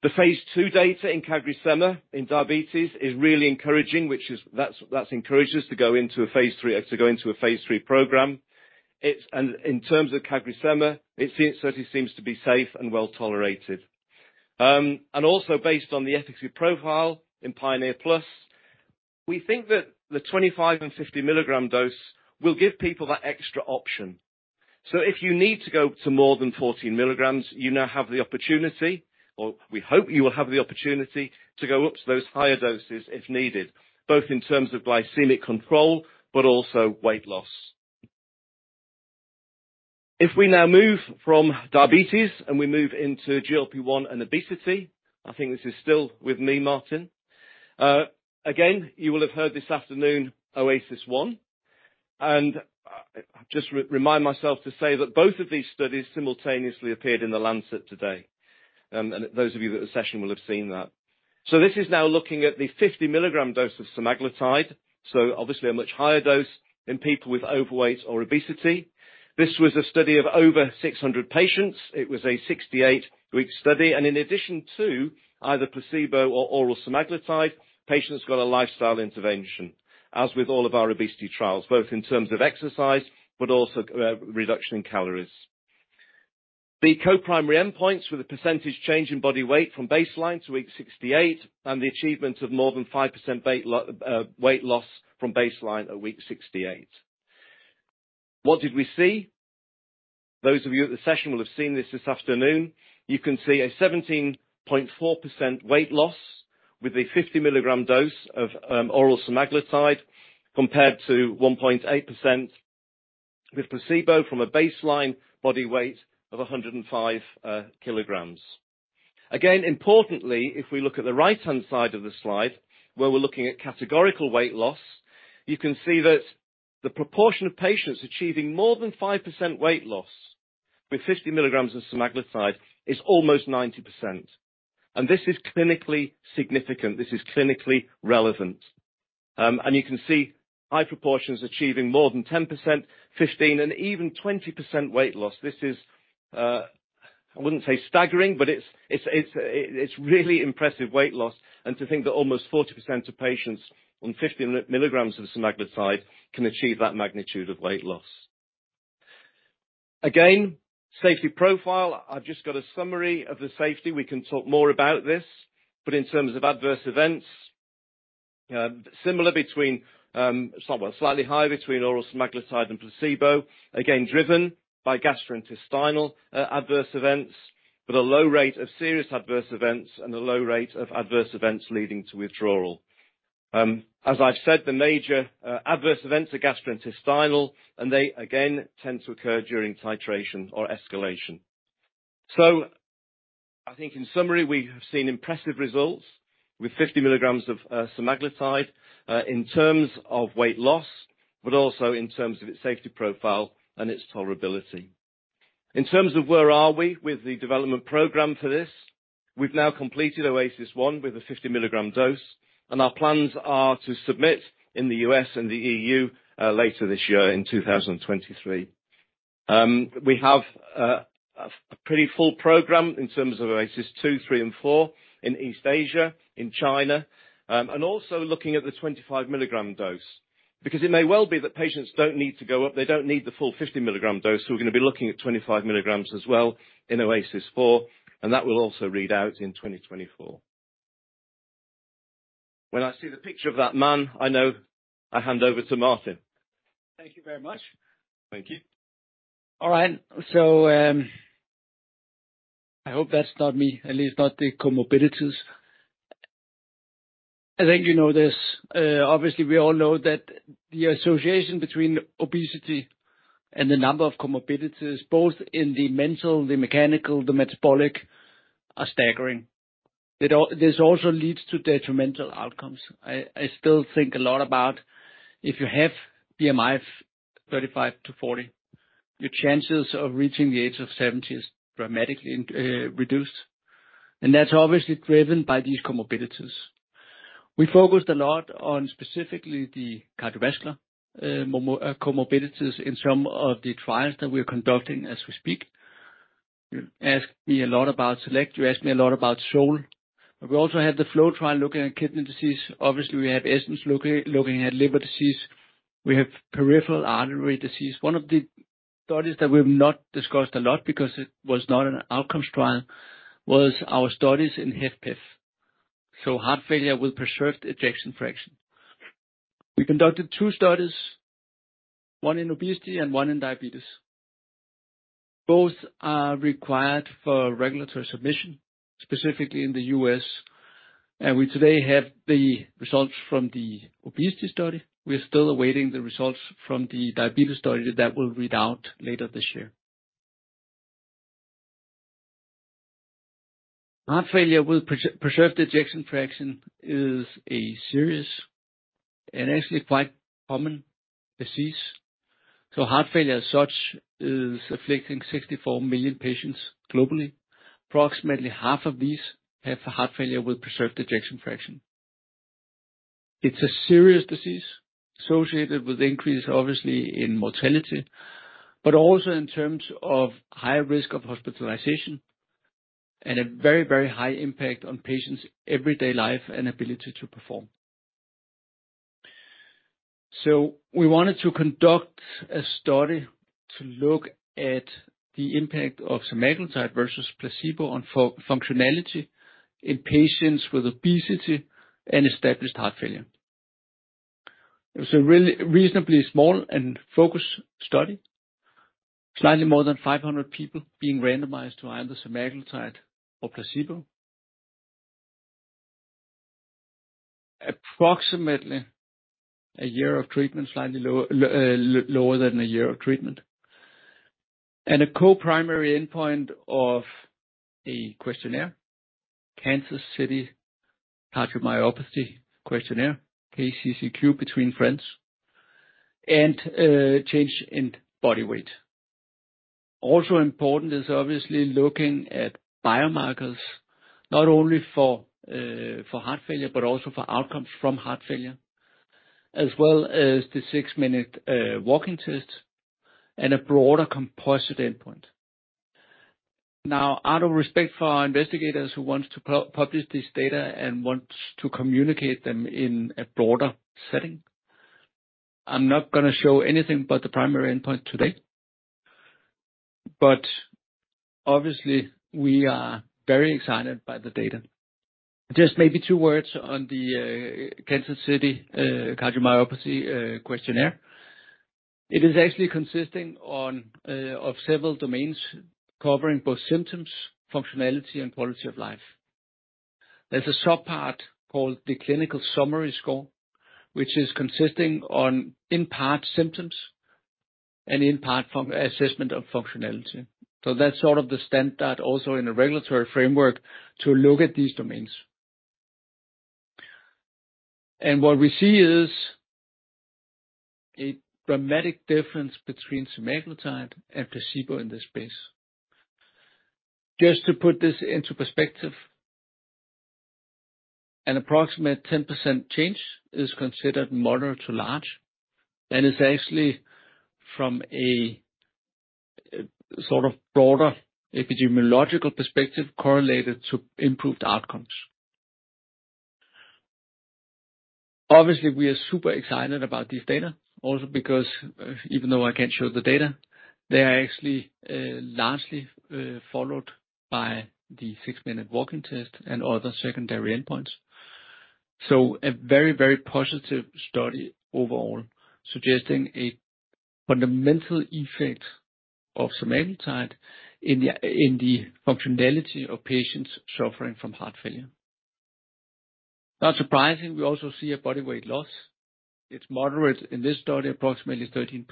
D: The phase two data in CagriSema, in diabetes, is really encouraging, that's encouraged us to go into a phase three program. In terms of CagriSema, it certainly seems to be safe and well-tolerated. Also based on the efficacy profile in PIONEER PLUS, we think that the 25 and 50 milligram dose will give people that extra option. If you need to go to more than 14 milligrams, you now have the opportunity, or we hope you will have the opportunity, to go up to those higher doses if needed, both in terms of glycemic control, but also weight loss. If we now move from diabetes, and we move into GLP-1 and obesity, I think this is still with me, Martin. Again, you will have heard this afternoon, OASIS 1, just remind myself to say that both of these studies simultaneously appeared in The Lancet today. Those of you at the session will have seen that. This is now looking at the 50 mg dose of semaglutide, so obviously a much higher dose in people with overweight or obesity. This was a study of over 600 patients. It was a 68-week study, and in addition to either placebo or oral semaglutide, patients got a lifestyle intervention, as with all of our obesity trials, both in terms of exercise, but also, reduction in calories. The co-primary endpoints were the percentage change in body weight from baseline to week 68, and the achievement of more than 5% weight loss from baseline at week 68. What did we see? Those of you at the session will have seen this afternoon. You can see a 17.4% weight loss with a 50 mg dose of oral semaglutide, compared to 1.8% with placebo from a baseline body weight of 105 kg. Again, importantly, if we look at the right-hand side of the slide, where we're looking at categorical weight loss, you can see that the proportion of patients achieving more than 5% weight loss with 50 mg of semaglutide is almost 90%. This is clinically significant. This is clinically relevant. You can see high proportions achieving more than 10%, 15%, and even 20% weight loss. This is, I wouldn't say staggering, but it's, it's really impressive weight loss, and to think that almost 40% of patients on 50 mg of semaglutide can achieve that magnitude of weight loss. Safety profile. I've just got a summary of the safety. We can talk more about this. In terms of adverse events, similar between, well, slightly higher between oral semaglutide and placebo, again, driven by gastrointestinal adverse events, with a low rate of serious adverse events and a low rate of adverse events leading to withdrawal. As I've said, the major adverse events are gastrointestinal, and they, again, tend to occur during titration or escalation. I think in summary, we have seen impressive results with 50 milligrams of semaglutide in terms of weight loss, but also in terms of its safety profile and its tolerability. In terms of where are we with the development program for this, we've now completed OASIS 1 with a 50 mg dose. Our plans are to submit in the US and the EU later this year in 2023. We have a pretty full program in terms of OASIS 2, 3, and 4 in East Asia, in China, and also looking at the 25 mg dose, because it may well be that patients don't need to go up, they don't need the full 50 mg dose. We're gonna be looking at 25 mg as well in OASIS 4, and that will also read out in 2024. When I see the picture of that man, I know I hand over to Martin.
C: Thank you very much.
D: Thank you.
C: All right, I hope that's not me, at least not the comorbidities. I think you know this, obviously, we all know that the association between obesity and the number of comorbidities, both in the mental, the mechanical, the metabolic, are staggering. This also leads to detrimental outcomes. I still think a lot about if you have BMI of 35 to 40, your chances of reaching the age of 70 is dramatically reduced, and that's obviously driven by these comorbidities. We focused a lot on specifically the cardiovascular comorbidities in some of the trials that we're conducting as we speak. You asked me a lot about SELECT, you asked me a lot about SOUL. We also had the FLOW trial looking at kidney disease. Obviously, we have ESSENCE looking at liver disease. We have peripheral artery disease. One of the studies that we've not discussed a lot because it was not an outcomes trial, was our studies in HFpEF, so Heart Failure with preserved Ejection Fraction. We conducted two studies, one in obesity and one in diabetes. Both are required for regulatory submission, specifically in the U.S., and we today have the results from the obesity study. We are still awaiting the results from the diabetes study that will read out later this year. Heart Failure with preserved Ejection Fraction is a serious and actually quite common disease. Heart failure, as such, is afflicting 64 million patients globally. Approximately half of these have Heart Failure with preserved Ejection Fraction. It's a serious disease associated with increase, obviously, in mortality, but also in terms of higher risk of hospitalization and a very high impact on patients' everyday life and ability to perform. We wanted to conduct a study to look at the impact of semaglutide versus placebo on functionality in patients with obesity and established heart failure. It was a really reasonably small and focused study. Slightly more than 500 people being randomized to either semaglutide or placebo. Approximately a year of treatment, slightly lower than a year of treatment. A co-primary endpoint of a questionnaire, Kansas City Cardiomyopathy Questionnaire, KCCQ, between friends, and change in body weight. Also important is obviously looking at biomarkers, not only for heart failure, but also for outcomes from heart failure, as well as the 6-minute walking test and a broader composite endpoint. Out of respect for our investigators who wants to publish this data and wants to communicate them in a broader setting, I'm not gonna show anything but the primary endpoint today, but obviously, we are very excited by the data. Just maybe two words on the Kansas City Cardiomyopathy Questionnaire. It is actually consisting of several domains covering both symptoms, functionality, and quality of life. There's a sub part called the Clinical Summary Score, which is consisting, in part, symptoms and in part, assessment of functionality. That's sort of the standard, also in a regulatory framework to look at these domains. What we see is a dramatic difference between semaglutide and placebo in this space. Just to put this into perspective, an approximate 10% change is considered moderate to large, and it's actually from a, sort of, broader epidemiological perspective, correlated to improved outcomes. Obviously, we are super excited about this data, also because, even though I can't show the data, they are actually largely followed by the 6-minute walk test and other secondary endpoints. A very, very positive study overall, suggesting a fundamental effect of semaglutide in the, in the functionality of patients suffering from heart failure. Not surprising, we also see a body weight loss. It's moderate in this study, approximately 13%,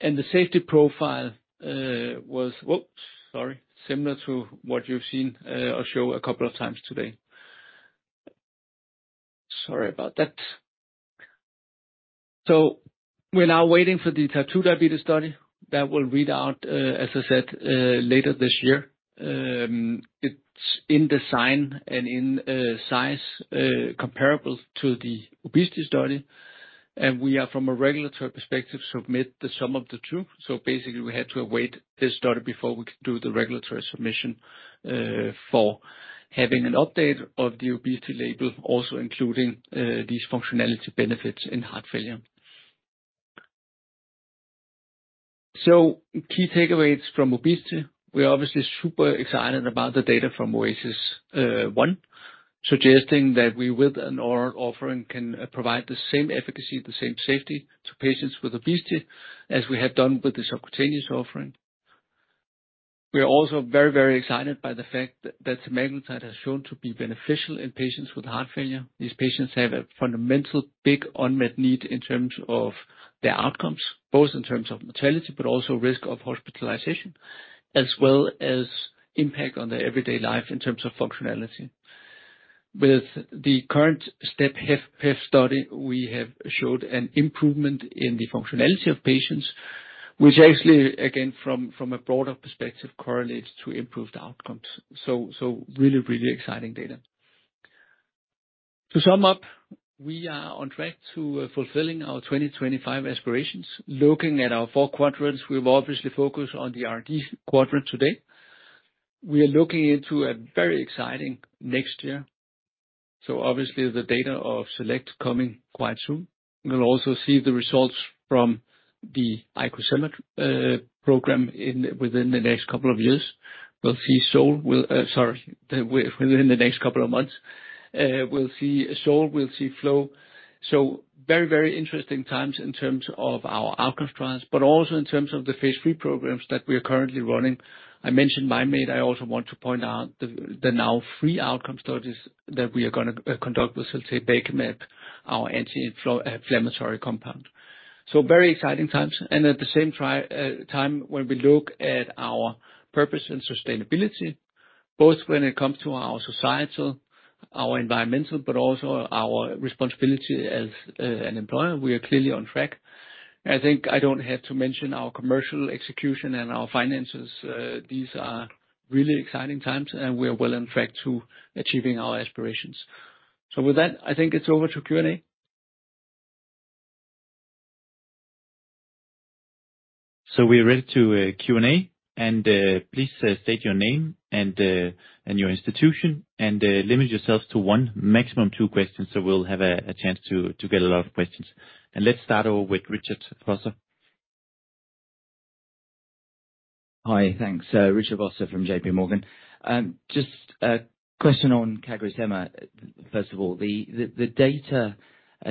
C: and the safety profile. Whoops! Sorry. Similar to what you've seen or show 2 times today. Sorry about that. We're now waiting for the type 2 diabetes study that will read out, as I said, later this year. It's in design and in size comparable to the obesity study, and we are, from a regulatory perspective, submit the sum of the two. Basically, we had to await this study before we can do the regulatory submission for having an update of the obesity label, also including these functionality benefits in heart failure. Key takeaways from obesity. We're obviously super excited about the data from OASIS 1, suggesting that we, with an oral offering, can provide the same efficacy, the same safety to patients with obesity as we have done with the subcutaneous offering. We are also very excited by the fact that semaglutide has shown to be beneficial in patients with heart failure. These patients have a fundamental, big unmet need in terms of their outcomes, both in terms of mortality, but also risk of hospitalization, as well as impact on their everyday life in terms of functionality. With the current STEP-HFpEF study, we have showed an improvement in the functionality of patients, which actually, again, from a broader perspective, correlates to improved outcomes. Really exciting data. To sum up, we are on track to fulfilling our 2025 aspirations. Looking at our four quadrants, we've obviously focused on the R&D quadrant today. We are looking into a very exciting next year, obviously the data of SELECT coming quite soon. We'll also see the results from the icosemap program within the next couple of years. We'll see SOUL, well, sorry, within the next couple of months. We'll see SOUL, we'll see FLOW. Very, very interesting times in terms of our outcome trials, but also in terms of the phase 3 programs that we are currently running. I mentioned Mim8. I also want to point out the now three outcome studies that we are gonna conduct with ciltapecimab, our anti-inflammatory compound. Very exciting times, and at the same time, when we look at our purpose and sustainability, both when it comes to our societal, our environmental, but also our responsibility as an employer, we are clearly on track. I think I don't have to mention our commercial execution and our finances. These are really exciting times, and we are well in track to achieving our aspirations. With that, I think it's over to Q&A. We are ready to Q&A, and please state your name and your institution, and limit yourselves to 1, maximum 2 questions, so we'll have a chance to get a lot of questions. Let's start off with Richard Vosser.
E: Hi. Thanks. Richard Vosser from J.P. Morgan. Just a question on CagriSema. First of all, the data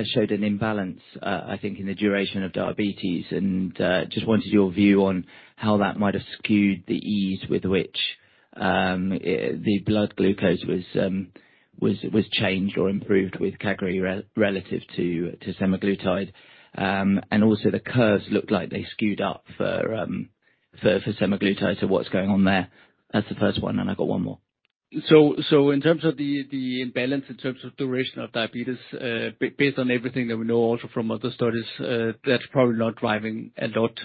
E: showed an imbalance, I think, in the duration of diabetes, and just wanted your view on how that might have skewed the ease with which the blood glucose was changed or improved with Cagri relative to semaglutide. The curves looked like they skewed up for semaglutide. What's going on there? That's the first one. I've got one more.
C: In terms of the imbalance, in terms of duration of diabetes, based on everything that we know also from other studies, that's probably not driving a lot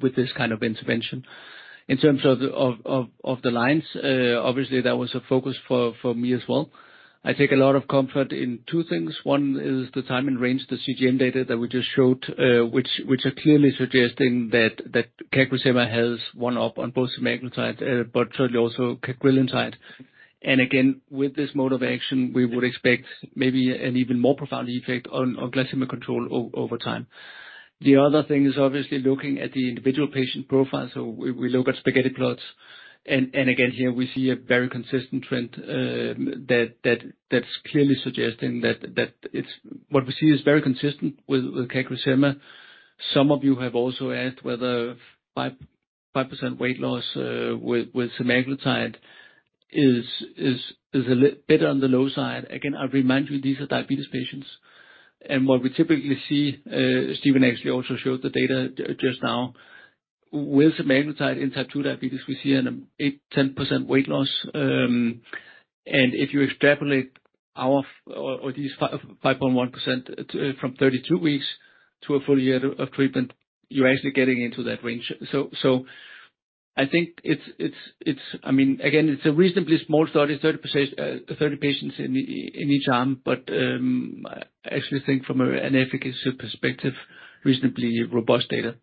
C: with this kind of intervention. In terms of the lines, obviously that was a focus for me as well. I take a lot of comfort in two things. One is the time and range, the CGM data that we just showed, which are clearly suggesting that CagriSema has one up on both semaglutide, but certainly also cagrilintide. Again, with this mode of action, we would expect maybe an even more profound effect on glycemic control over time. The other thing is obviously looking at the individual patient profile, we look at spaghetti plots, and again, here we see a very consistent trend, that's clearly suggesting that it's. What we see is very consistent with CagriSema. Some of you have also asked whether 5% weight loss with semaglutide is a bit on the low side. Again, I remind you, these are diabetes patients, what we typically see, Stephen actually also showed the data just now, with semaglutide in type 2 diabetes, we see an 8-10% weight loss, and if you extrapolate our, or these 5.1% from 32 weeks to a full year of treatment, you're actually getting into that range. I think it's I mean, again, it's a reasonably small study, 30%, 30 patients in each arm, but I actually think from an efficacy perspective, reasonably robust data.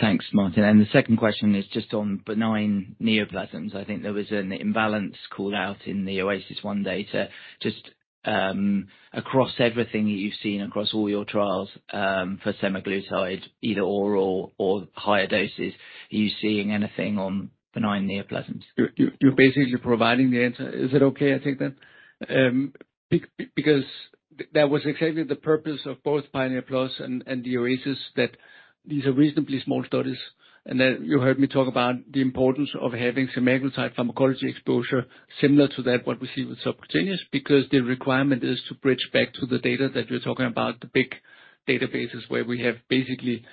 E: thanks, Martin. The second question is just on benign neoplasms. I think there was an imbalance called out in the OASIS 1 data. Just across everything that you've seen, across all your trials, for semaglutide, either oral or higher doses, are you seeing anything on benign neoplasms?
C: You're basically providing the answer. Is it okay I take that? Because that was exactly the purpose of both PIONEER PLUS and the OASIS, that these are reasonably small studies, you heard me talk about the importance of having semaglutide pharmacology exposure similar to that what we see with subcutaneous, because the requirement is to bridge back to the data that we're talking about, the big databases, where we have basically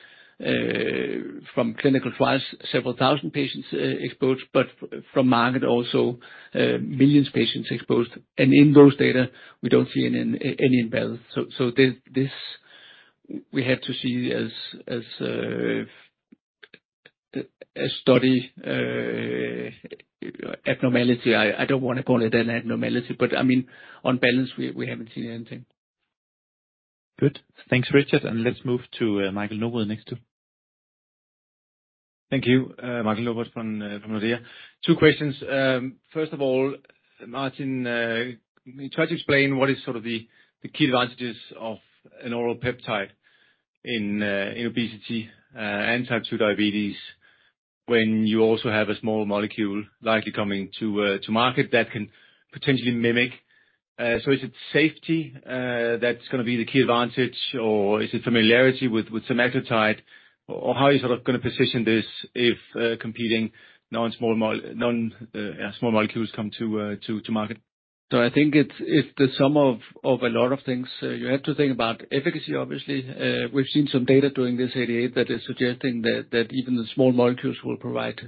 C: from clinical trials, several thousand patients exposed, but from market also, millions patients exposed, and in those data, we don't see any imbalance. This we have to see as a study abnormality. I don't want to call it an abnormality, but I mean, on balance, we haven't seen anything. Good. Thanks, Richard, and let's move to Michael Novod next up.
F: Thank you, Michael Novod from Nordea. Two questions. First of all, Martin, can you try to explain what is sort of the key advantages of an oral peptide in obesity and type 2 diabetes, when you also have a small molecule likely coming to market, that can potentially mimic? Is it safety that's gonna be the key advantage, or is it familiarity with semaglutide, or how are you sort of gonna position this if competing non-small molecules come to market?
C: I think it's the sum of a lot of things. You have to think about efficacy, obviously. We've seen some data during this ADA that is suggesting that even the small molecules will provide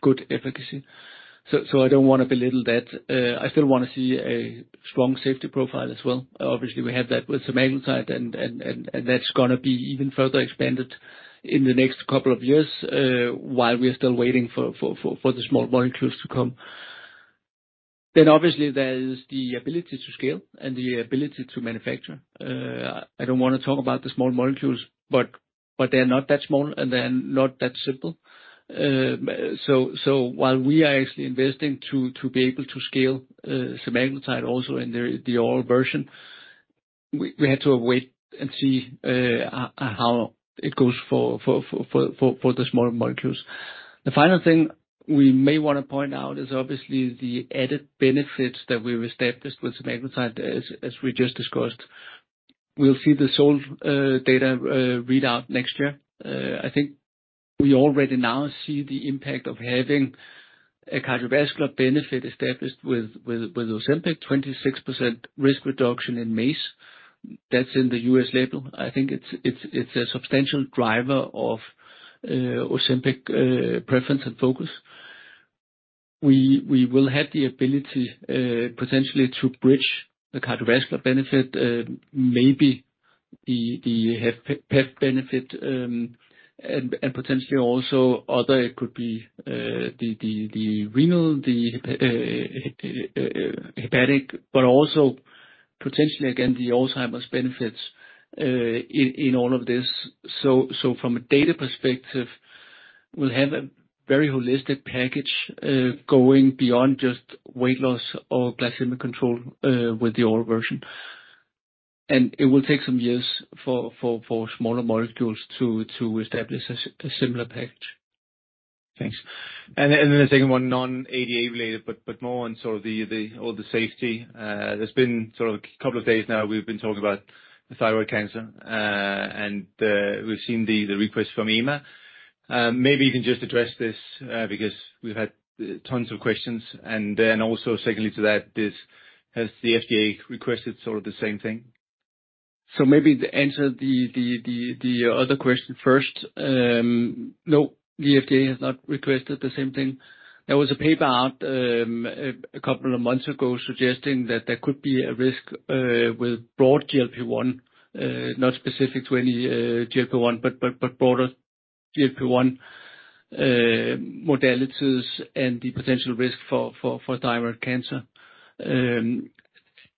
C: good efficacy, so I don't want to belittle that. I still want to see a strong safety profile as well. Obviously, we have that with semaglutide, and that's gonna be even further expanded in the next couple of years, while we are still waiting for the small molecules to come. Obviously, there is the ability to scale and the ability to manufacture. I don't wanna talk about the small molecules, but they're not that small, and they're not that simple. While we are actually investing to be able to scale semaglutide also in the oral version, we had to await and see how it goes for the smaller molecules. The final thing we may want to point out is obviously the added benefits that we've established with semaglutide, as we just discussed. We'll see the SOUL data readout next year. I think we already now see the impact of having a cardiovascular benefit established with Ozempic, 26% risk reduction in MACE. That's in the US label. I think it's a substantial driver of Ozempic preference and focus. We will have the ability, potentially to bridge the cardiovascular benefit, maybe the HFpEF benefit, and potentially also other, it could be, the renal, the hepatic, but also potentially, again, the Alzheimer's benefits in all of this. From a data perspective, we'll have a very holistic package, going beyond just weight loss or glycemic control, with the oral version. It will take some years for smaller molecules to establish a similar package.
F: Thanks. The second one, non-ADA related, but more on all the safety. There's been a couple of days now, we've been talking about the thyroid cancer, and we've seen the request from EMA. Maybe you can just address this, because we've had tons of questions. Also secondly to that is, has the FDA requested the same thing?
C: Maybe to answer the other question first, no, the FDA has not requested the same thing. There was a paper out a couple of months ago suggesting that there could be a risk with broad GLP-1, not specific to any GLP-1, but broader GLP-1 modalities and the potential risk for thyroid cancer.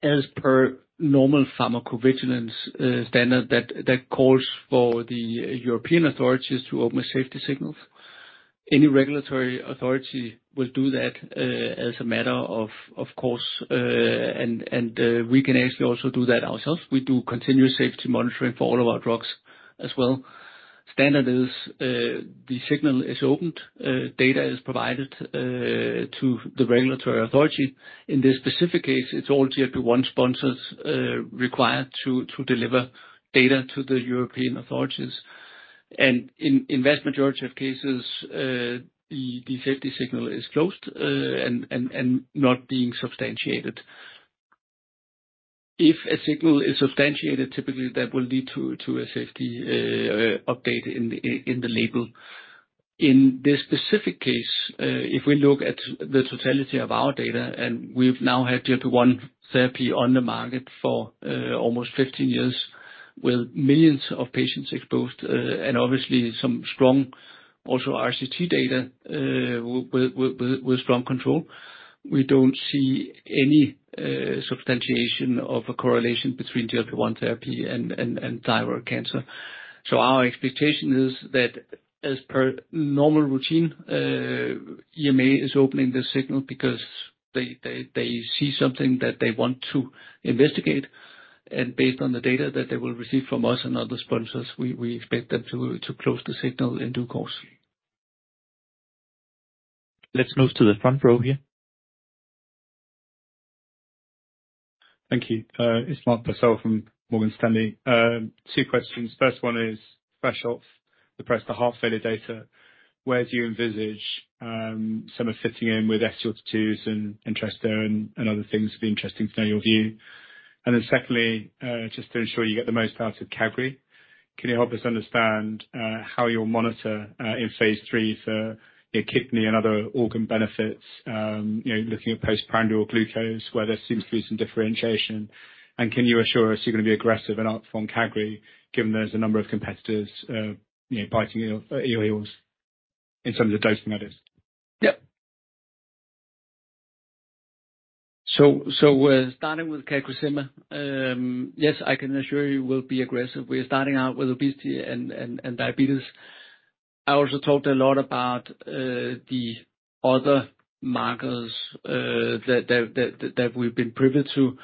C: As per normal pharmacovigilance standard, that calls for the European authorities to open safety signals. Any regulatory authority will do that as a matter of course, and we can actually also do that ourselves. We do continuous safety monitoring for all of our drugs as well. Standard is, the signal is opened, data is provided to the regulatory authority. In this specific case, it's all GLP-1 sponsors, required to deliver data to the European authorities. In vast majority of cases, the safety signal is closed, and not being substantiated. If a signal is substantiated, typically that will lead to a safety, update in the label. In this specific case, if we look at the totality of our data, we've now had GLP-1 therapy on the market for, almost 15 years, with millions of patients exposed, and obviously some strong also RCT data, with strong control. We don't see any, substantiation of a correlation between GLP-1 therapy and thyroid cancer. Our expectation is that, as per normal routine, EMA is opening this signal because they see something that they want to investigate, and based on the data that they will receive from us and other sponsors, we expect them to close the signal in due course. Let's move to the front row here.
G: Thank you. It's Mark Purcell from Morgan Stanley. Two questions. First one is, fresh off the press, the heart failure data, where do you envisage some are fitting in with SO2s and interest there, and other things it'd be interesting to know your view. Secondly, just to ensure you get the most out of Cagri, can you help us understand how you'll monitor in phase 3 for the kidney and other organ benefits, you know, looking at postprandial glucose, where there seems to be some differentiation? Can you assure us you're gonna be aggressive and up from Cagri, given there's a number of competitors, you know, biting your heels in some of the dosing that is?
C: Yep. Starting with CagriSema, yes, I can assure you we'll be aggressive. We're starting out with obesity and diabetes. I also talked a lot about the other markers that we've been privy to.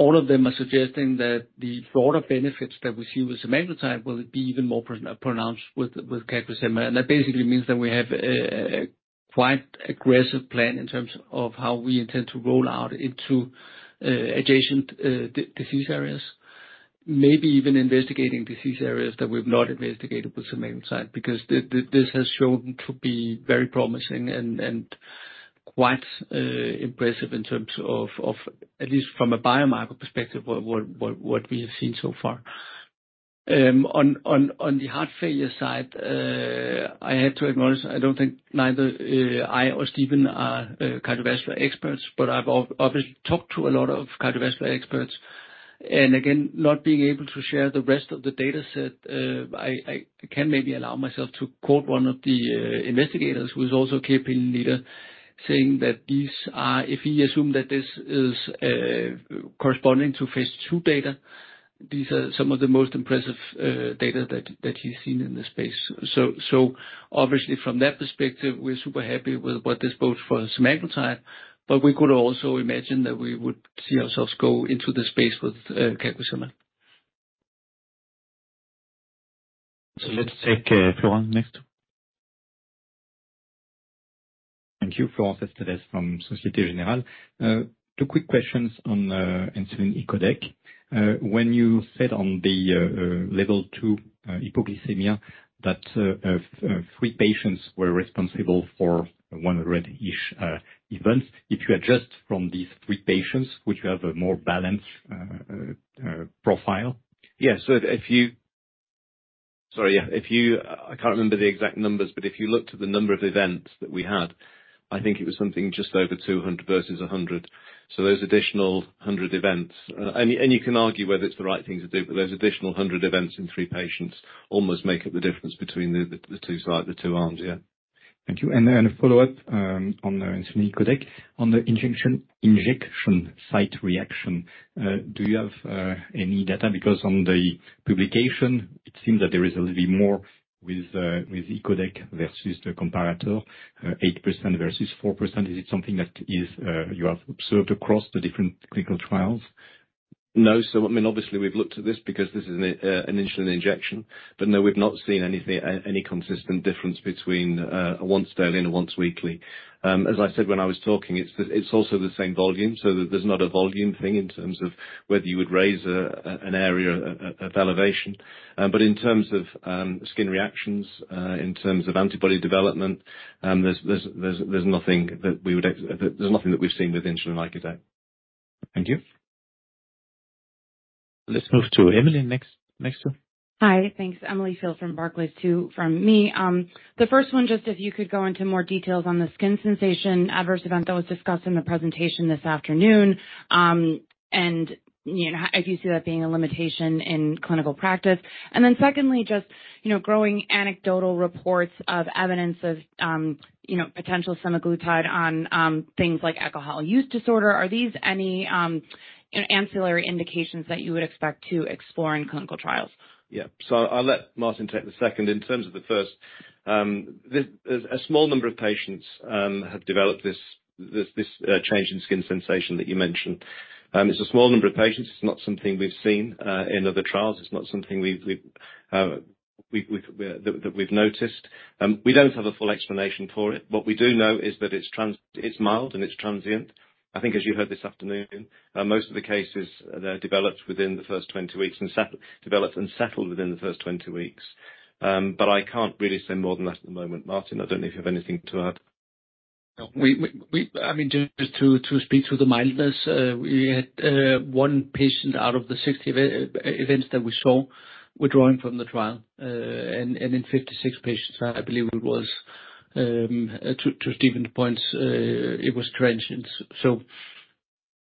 C: All of them are suggesting that the broader benefits that we see with semaglutide will be even more pronounced with CagriSema. That basically means that we have a quite aggressive plan in terms of how we intend to roll out into adjacent disease areas. Maybe even investigating disease areas that we've not investigated with semaglutide, because this has shown to be very promising and quite impressive in terms of, at least from a biomarker perspective, what we have seen so far. On the heart failure side, I have to acknowledge, I don't think neither I or Stephen are cardiovascular experts, but I've obviously talked to a lot of cardiovascular experts. Again, not being able to share the rest of the data set, I can maybe allow myself to quote one of the investigators, who is also a key opinion leader, saying that these are if he assumed that this is corresponding to phase 2 data, these are some of the most impressive data that he's seen in this space. Obviously, from that perspective, we're super happy with what this bodes for semaglutide, we could also imagine that we would see ourselves go into the space with cagrilintide. Let's take Florent next.
H: Thank you. Florent Cespedes from Société Générale. Two quick questions on the insulin icodec. When you said on the level two hypoglycemia, that three patients were responsible for 100-ish events. If you adjust from these three patients, would you have a more balanced profile?
D: If you... I can't remember the exact numbers, but if you looked at the number of events that we had, I think it was something just over 200 versus 100. Those additional 100 events, and you can argue whether it's the right thing to do, but those additional 100 events in 3 patients almost make up the difference between the two arms.
H: Thank you. A follow-up, on the insulin icodec. On the injection site reaction, do you have any data? On the publication, it seems that there is a little bit more with icodec versus the comparator, 8% versus 4%. Is it something that is, you have observed across the different clinical trials?
D: I mean, obviously, we've looked at this because this is an insulin injection. We've not seen anything, any consistent difference between once daily and once weekly. As I said, when I was talking, it's also the same volume, so there's not a volume thing in terms of whether you would raise an area of elevation. In terms of skin reactions, in terms of antibody development, There's nothing that we've seen with insulin icodec.
H: Thank you. Let's move to Emily next. Next, sir.
B: Hi. Thanks. Emily Field from Barclays. Two from me. The first one, just if you could go into more details on the skin sensation adverse event that was discussed in the presentation this afternoon, and, you know, if you see that being a limitation in clinical practice. Secondly, just, you know, growing anecdotal reports of evidence of, you know, potential semaglutide on, things like alcohol use disorder. Are these any, you know, ancillary indications that you would expect to explore in clinical trials?
D: I'll let Martin take the second. In terms of the first, there's a small number of patients have developed this change in skin sensation that you mentioned. It's a small number of patients. It's not something we've seen in other trials. It's not something we've noticed. We don't have a full explanation for it. What we do know is that it's mild, and it's transient. I think, as you heard this afternoon, most of the cases, they're developed within the first 20 weeks, and developed and settled within the first 20 weeks. I can't really say more than that at the moment. Martin, I don't know if you have anything to add.
C: No, I mean, just to speak to the mildness, we had one patient out of the 60 events that we saw withdrawing from the trial, and in 56 patients, I believe it was, to Stephen's points, it was transient.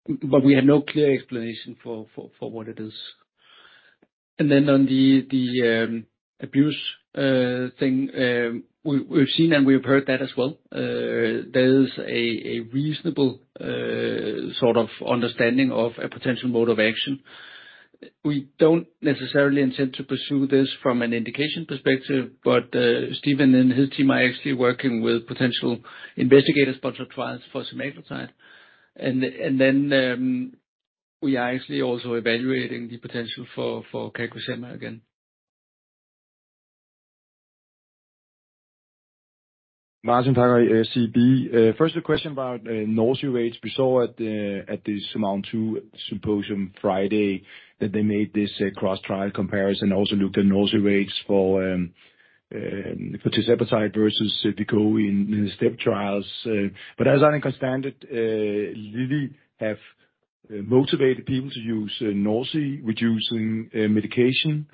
C: But we have no clear explanation for what it is. On the abuse thing, we've seen and we've heard that as well. There is a reasonable sort of understanding of a potential mode of action. We don't necessarily intend to pursue this from an indication perspective, but Stephen and his team are actually working with potential investigator-sponsored trials for semaglutide. We are actually also evaluating the potential for cagrilintide again.
I: Martin Takai, CB. First, a question about nausea rates. We saw at the SURMOUNT-2 symposium Friday, that they made this cross-trial comparison, also looked at nausea rates for tirzepatide versus the go in the STEP trials. As I understand it, Lilly have motivated people to use nausea-reducing medication.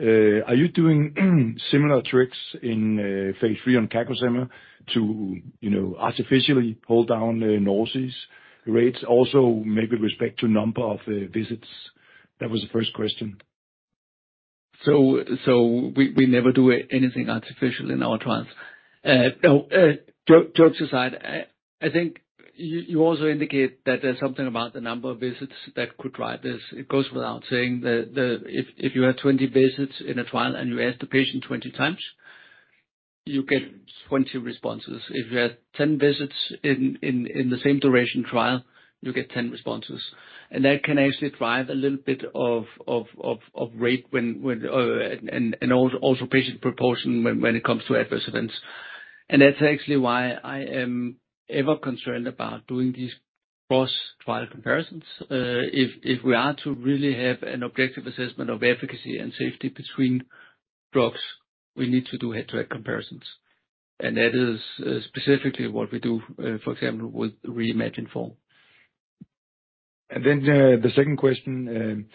I: Are you doing similar tricks in phase three on cagrilintide to, you know, artificially pull down the nausea rates, also maybe with respect to number of visits? That was the first question.
C: We never do anything artificial in our trials. No, jokes aside, I think you also indicate that there's something about the number of visits that could drive this. It goes without saying that if you have 20 visits in a trial and you ask the patient 20 times, you get 20 responses. If you have 10 visits in the same duration trial, you get 10 responses. That can actually drive a little bit of rate when and also patient proportion when it comes to adverse events. That's actually why I am ever concerned about doing these cross-trial comparisons. If we are to really have an objective assessment of efficacy and safety between drugs, we need to do head-to-head comparisons. That is specifically what we do, for example, with REIMAGINE 4. The second question,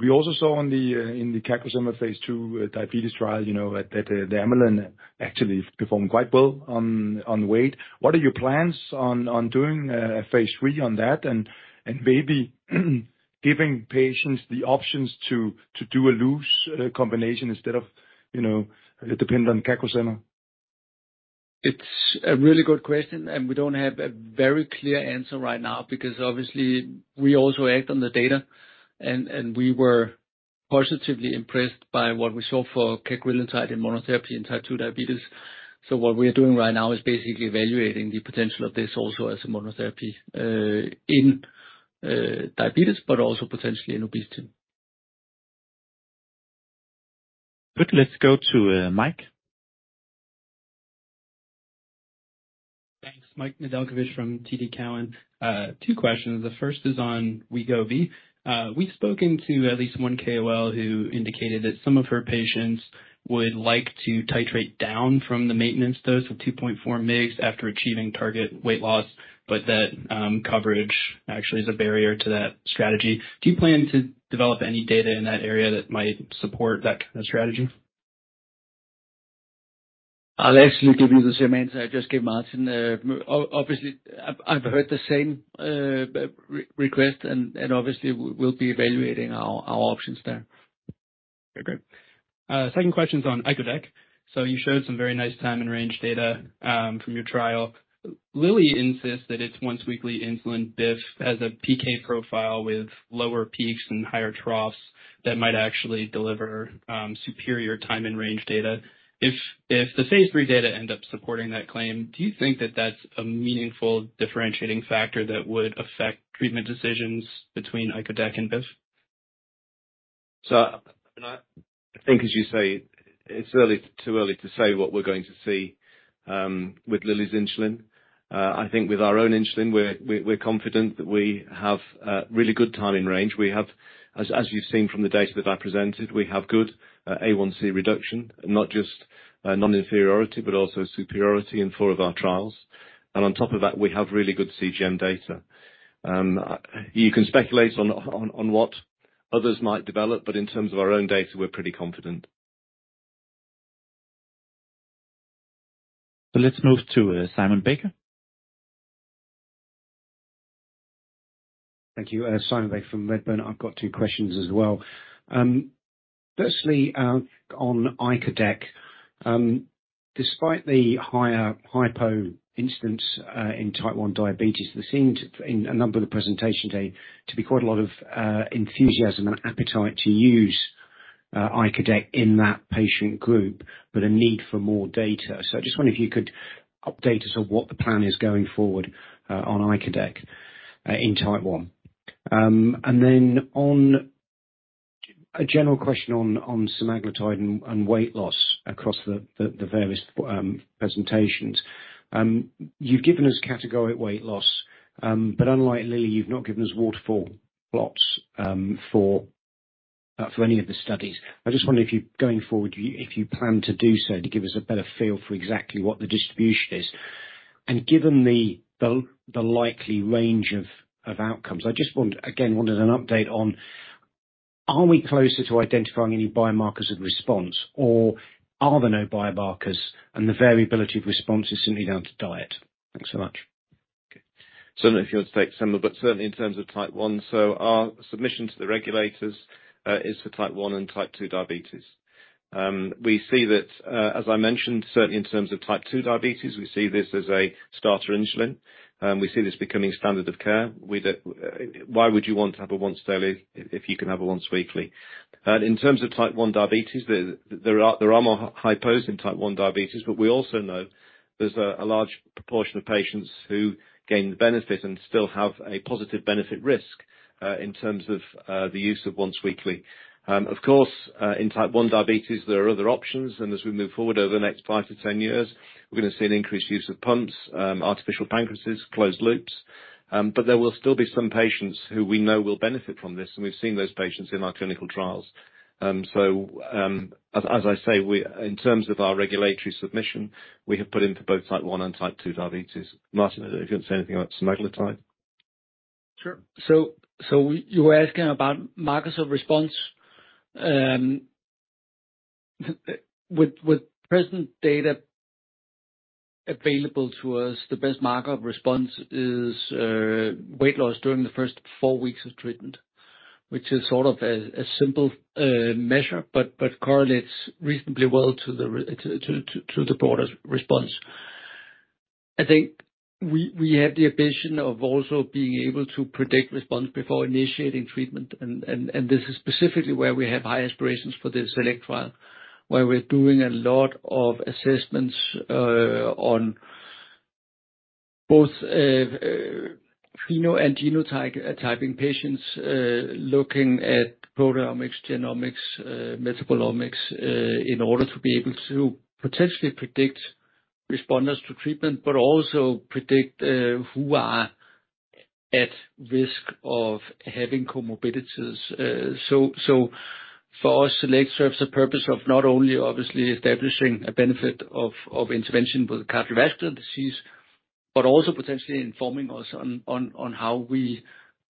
C: we also saw on the in the cagrilintide phase 2 diabetes trial, you know, that the the ameliorate actually performed quite well on weight. What are your plans on doing a phase 3 on that and maybe,...
I: giving patients the options to do a loose combination instead of, you know, dependent on CagriSema?
C: It's a really good question, and we don't have a very clear answer right now, because obviously, we also act on the data, and we were positively impressed by what we saw for cagrilintide in monotherapy, in Type 2 diabetes. What we're doing right now is basically evaluating the potential of this also as a monotherapy, in diabetes, but also potentially in obesity.
I: Good. Let's go to Mike.
J: Thanks. Mike Nedelcovych from TD Cowen. 2 questions. The first is on Wegovy. We've spoken to at least 1 KOL, who indicated that some of her patients would like to titrate down from the maintenance dose of 2.4 mg after achieving target weight loss, but that coverage actually is a barrier to that strategy. Do you plan to develop any data in that area that might support that kind of strategy?
C: I'll actually give you the same answer I just gave Martin. Obviously, I've heard the same request, and obviously, we'll be evaluating our options there.
J: Second question's on icodec. You showed some very nice time and range data from your trial. Lilly insists that its once-weekly insulin BIF has a PK profile with lower peaks and higher troughs that might actually deliver superior time and range data. If the phase 3 data end up supporting that claim, do you think that that's a meaningful differentiating factor that would affect treatment decisions between icodec and BIF?
D: I think, as you say, it's early, too early to say what we're going to see with Lilly's insulin. I think with our own insulin, we're confident that we have really good time and range. We have, as you've seen from the data that I presented, we have good A1C reduction, not just non-inferiority, but also superiority in 4 of our trials. On top of that, we have really good CGM data. You can speculate on what others might develop, but in terms of our own data, we're pretty confident.
I: Let's move to, Simon Baker.
K: Thank you. Simon Baker from Redburn. I've got two questions as well. Firstly, on icodec. Despite the higher hypo instance in Type 1 diabetes, there seemed, in a number of the presentation today, to be quite a lot of enthusiasm and appetite to use icodec in that patient group, but a need for more data. I just wonder if you could update us on what the plan is going forward on icodec in Type 1. A general question on semaglutide and weight loss across the various presentations. You've given us categoric weight loss, but unlike Lilly, you've not given us waterfall plots for any of the studies. I just wonder if you, going forward, if you plan to do so, to give us a better feel for exactly what the distribution is. Given the likely range of outcomes, I just again wanted an update on, are we closer to identifying any biomarkers of response, or are there no biomarkers and the variability of response is simply down to diet? Thanks so much.
D: If you want to take, semo, but certainly in terms of Type 1, our submission to the regulators is for Type 1 and Type 2 diabetes. We see that, as I mentioned, certainly in terms of Type 2 diabetes, we see this as a starter insulin, and we see this becoming standard of care. Why would you want to have a once-daily if you can have a once-weekly? In terms of Type 1 diabetes, there are more hypos in Type 1 diabetes, but we also know there's a large proportion of patients who gain the benefit and still have a positive benefit risk in terms of the use of once-weekly. Of course, in Type 1 diabetes, there are other options. As we move forward over the next 5 to 10 years, we're going to see an increased use of pumps, artificial pancreases, closed loops. There will still be some patients who we know will benefit from this, and we've seen those patients in our clinical trials. As I say, in terms of our regulatory submission, we have put in for both Type 1 and Type 2 diabetes. Martin, if you want to say anything about semaglutide?
C: Sure. You were asking about markers of response. With present data available to us, the best marker of response is weight loss during the first four weeks of treatment, which is sort of a simple measure, but correlates reasonably well to the broader response. I think we have the ambition of also being able to predict response before initiating treatment. This is specifically where we have high aspirations for the SELECT trial, where we're doing a lot of assessments on both pheno and genotype typing patients, looking at proteomics, genomics, metabolomics, in order to be able to potentially predict responders to treatment, but also predict who are at risk of having comorbidities. For us, SELECT serves a purpose of not only obviously establishing a benefit of intervention with cardiovascular disease, but also potentially informing us on how we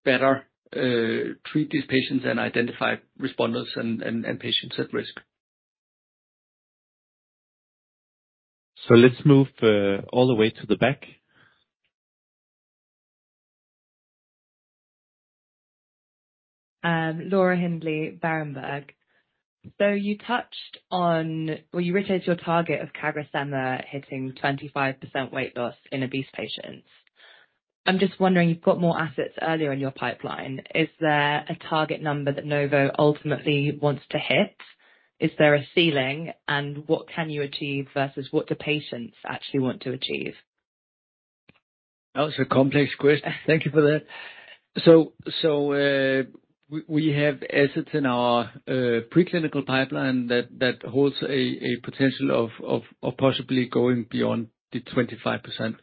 C: better treat these patients and identify responders and patients at risk. Let's move all the way to the back.
L: Laura Hindley, Berenberg. Well, you reiterated your target of CagriSema hitting 25% weight loss in obese patients. I'm just wondering, you've got more assets earlier in your pipeline, is there a target number that Novo ultimately wants to hit? Is there a ceiling, and what can you achieve versus what the patients actually want to achieve?
C: That's a complex question. Thank you for that. We have assets in our preclinical pipeline that holds a potential of possibly going beyond the 25%.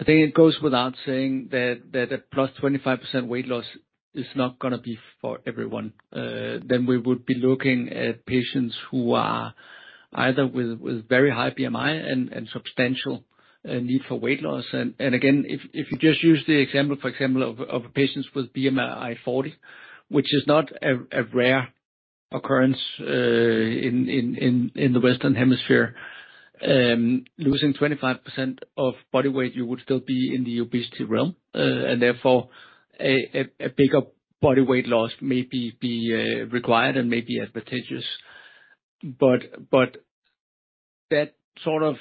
C: I think it goes without saying that a plus 25% weight loss is not gonna be for everyone. We would be looking at patients who are either with very high BMI and substantial need for weight loss. Again, if you just use the example, for example, of patients with BMI 40, which is not a rare occurrence in the Western Hemisphere, losing 25% of body weight, you would still be in the obesity realm. Therefore, a bigger body weight loss may be required and may be advantageous. That sort of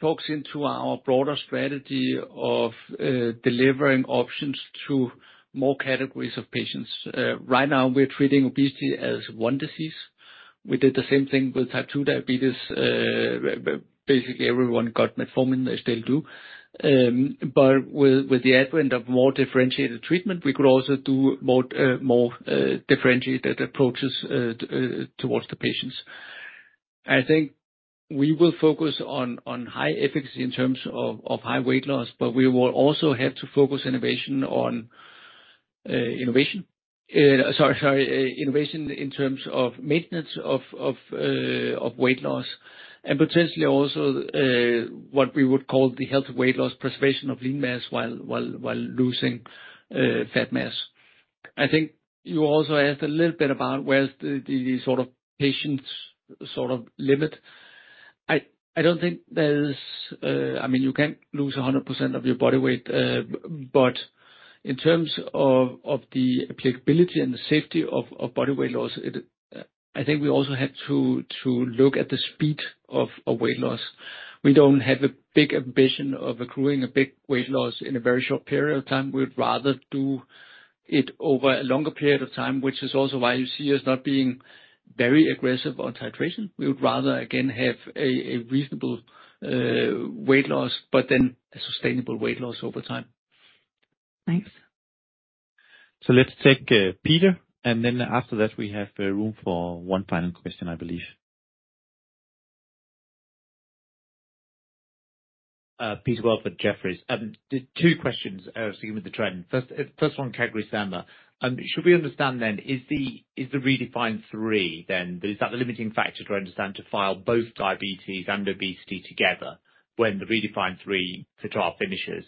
C: talks into our broader strategy of delivering options to more categories of patients. Right now, we're treating obesity as 1 disease. We did the same thing with type 2 diabetes, where basically everyone got metformin, they still do. With the advent of more differentiated treatment, we could also do more differentiated approaches towards the patients. I think we will focus on high efficacy in terms of high weight loss, but we will also have to focus innovation on innovation. Sorry, innovation in terms of maintenance of weight loss, and potentially also what we would call the healthy weight loss, preservation of lean mass while losing fat mass. I think you also asked a little bit about where's the sort of patients' sort of limit. I don't think there's, I mean, you can't lose 100% of your body weight, but in terms of the applicability and the safety of body weight loss, I think we also had to look at the speed of a weight loss. We don't have a big ambition of accruing a big weight loss in a very short period of time. We'd rather do it over a longer period of time, which is also why you see us not being very aggressive on titration. We would rather, again, have a reasonable weight loss, but then a sustainable weight loss over time.
L: Thanks.
C: Let's take Peter, and then after that, we have room for one final question, I believe.
M: Peter Welford, Jefferies. Two questions, sticking with the trend. First one, CagriSema. Should we understand then, is the REDEFINE 3 then, is that the limiting factor to understand, to file both diabetes and obesity together when the REDEFINE 3 trial finishes?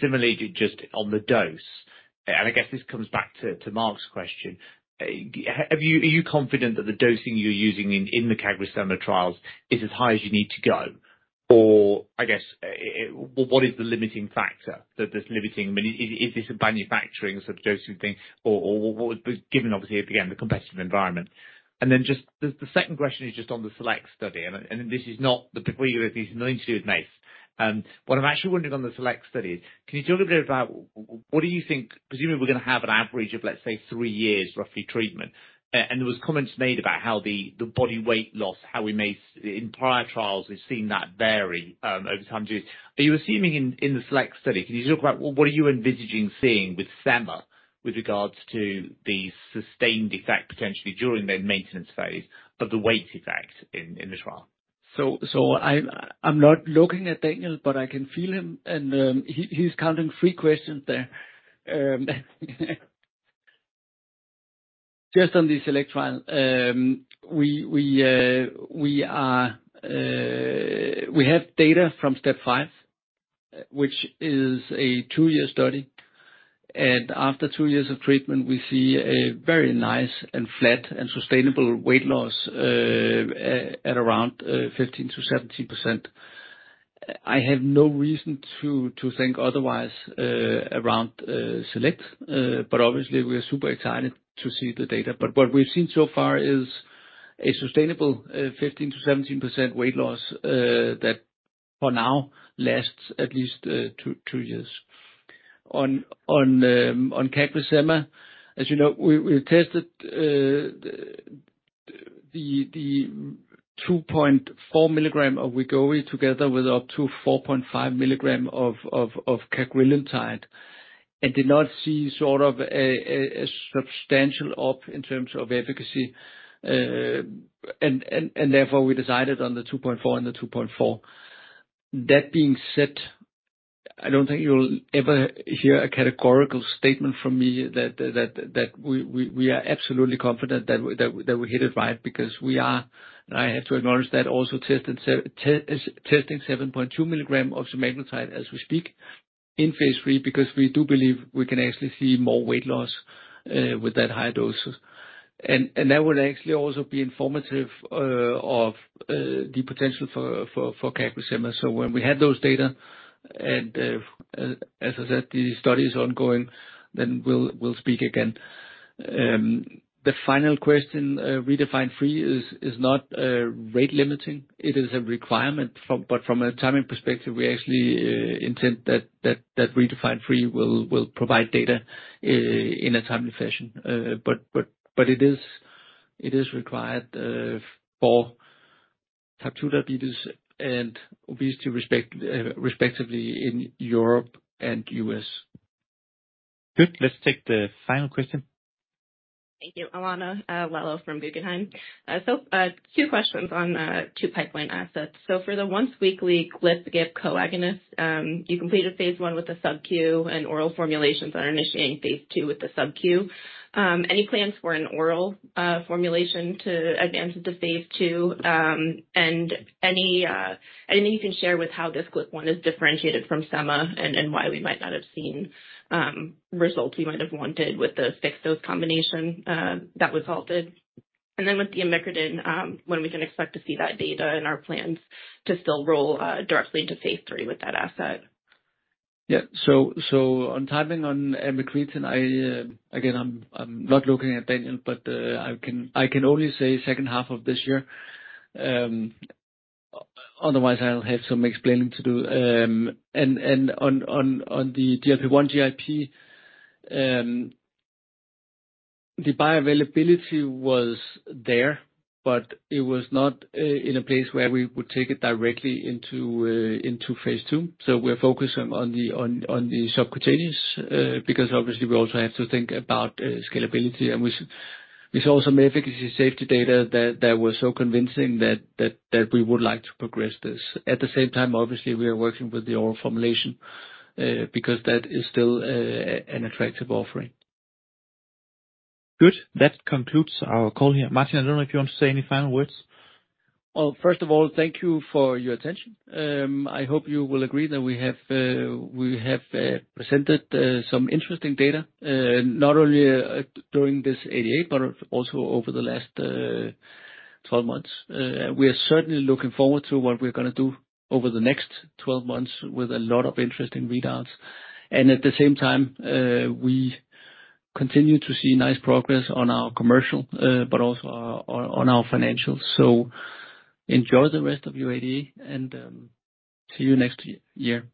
M: Similarly, just on the dose, and I guess this comes back to Mark's question, are you confident that the dosing you're using in the CagriSema trials is as high as you need to go? Or I guess, what is the limiting factor that is limiting? I mean, is this a manufacturing sort of dosing thing, or what would... Given obviously, again, the competitive environment. Then just the second question is just on the SELECT study, and this is not the people you need to admit. What I'm actually wondering on the SELECT study is, can you tell me a little bit about what do you think, presumably we're gonna have an average of, let's say, 3 years roughly treatment. There was comments made about how the body weight loss, how we made in prior trials, we've seen that vary over time. Are you assuming in the SELECT study, can you talk about what are you envisaging seeing with sema with regards to the sustained effect, potentially during the maintenance phase of the weight effect in the trial?
C: I'm not looking at Daniel, but I can feel him, and he's counting three questions there. Just on the SELECT trial, we have data from STEP 5, which is a two-year study, and after two years of treatment, we see a very nice and flat and sustainable weight loss, at around 15%-17%. I have no reason to think otherwise around SELECT, but obviously, we are super excited to see the data. What we've seen so far is a sustainable 15%-17% weight loss that for now lasts at least two years. On CagriSema, as you know, we tested the 2.4 mg of Wegovy together with up to 4.5 mg of cagrilintide, and did not see a substantial up in terms of efficacy. Therefore, we decided on the 2.4 and the 2.4. That being said, I don't think you'll ever hear a categorical statement from me that we are absolutely confident that we hit it right, because we are, and I have to acknowledge that, also testing 7.2 mg of semaglutide as we speak in phase III, because we do believe we can actually see more weight loss with that high doses. That would actually also be informative of the potential for CagriSema. When we have those data, and as I said, the study is ongoing, then we speak again. The final question, REDEFINE 3 is not rate limiting. It is a requirement but from a timing perspective, we actually intend that REDEFINE 3 will provide data in a timely fashion. It is required for type 2 diabetes and obesity, respectively in Europe and U.S. Good. Let's take the final question.
N: Thank you. Alana Lelo from Guggenheim. Two questions on 2 pipeline assets. For the once weekly GLP-2 agonist, you completed phase I with the subcu and oral formulations on initiating phase II with the subcu. Any plans for an oral formulation to advance into phase II? Anything you can share with how this GLP-1 is differentiated from Sema, and why we might not have seen results we might have wanted with the fixed dose combination that was halted? With the emicreutin, when we can expect to see that data and our plans to still roll directly into phase III with that asset.
C: On timing on emicreutin, I, again, I'm not looking at Daniel, but I can only say second half of this year. Otherwise, I'll have some explaining to do. On the GLP-1 GIP, the bioavailability was there, but it was not in a place where we would take it directly into phase II. We're focusing on the subcutaneous, because obviously we also have to think about scalability. We saw some efficacy safety data that was so convincing that we would like to progress this. At the same time, obviously, we are working with the oral formulation, because that is still an attractive offering. Good. That concludes our call here. Martin, I don't know if you want to say any final words? Well, first of all, thank you for your attention. I hope you will agree that we have presented some interesting data not only during this ADA, but also over the last 12 months. We are certainly looking forward to what we're gonna do over the next 12 months with a lot of interest in readouts. At the same time, we continue to see nice progress on our commercial, but also on our financials. Enjoy the rest of your ADA, and see you next year.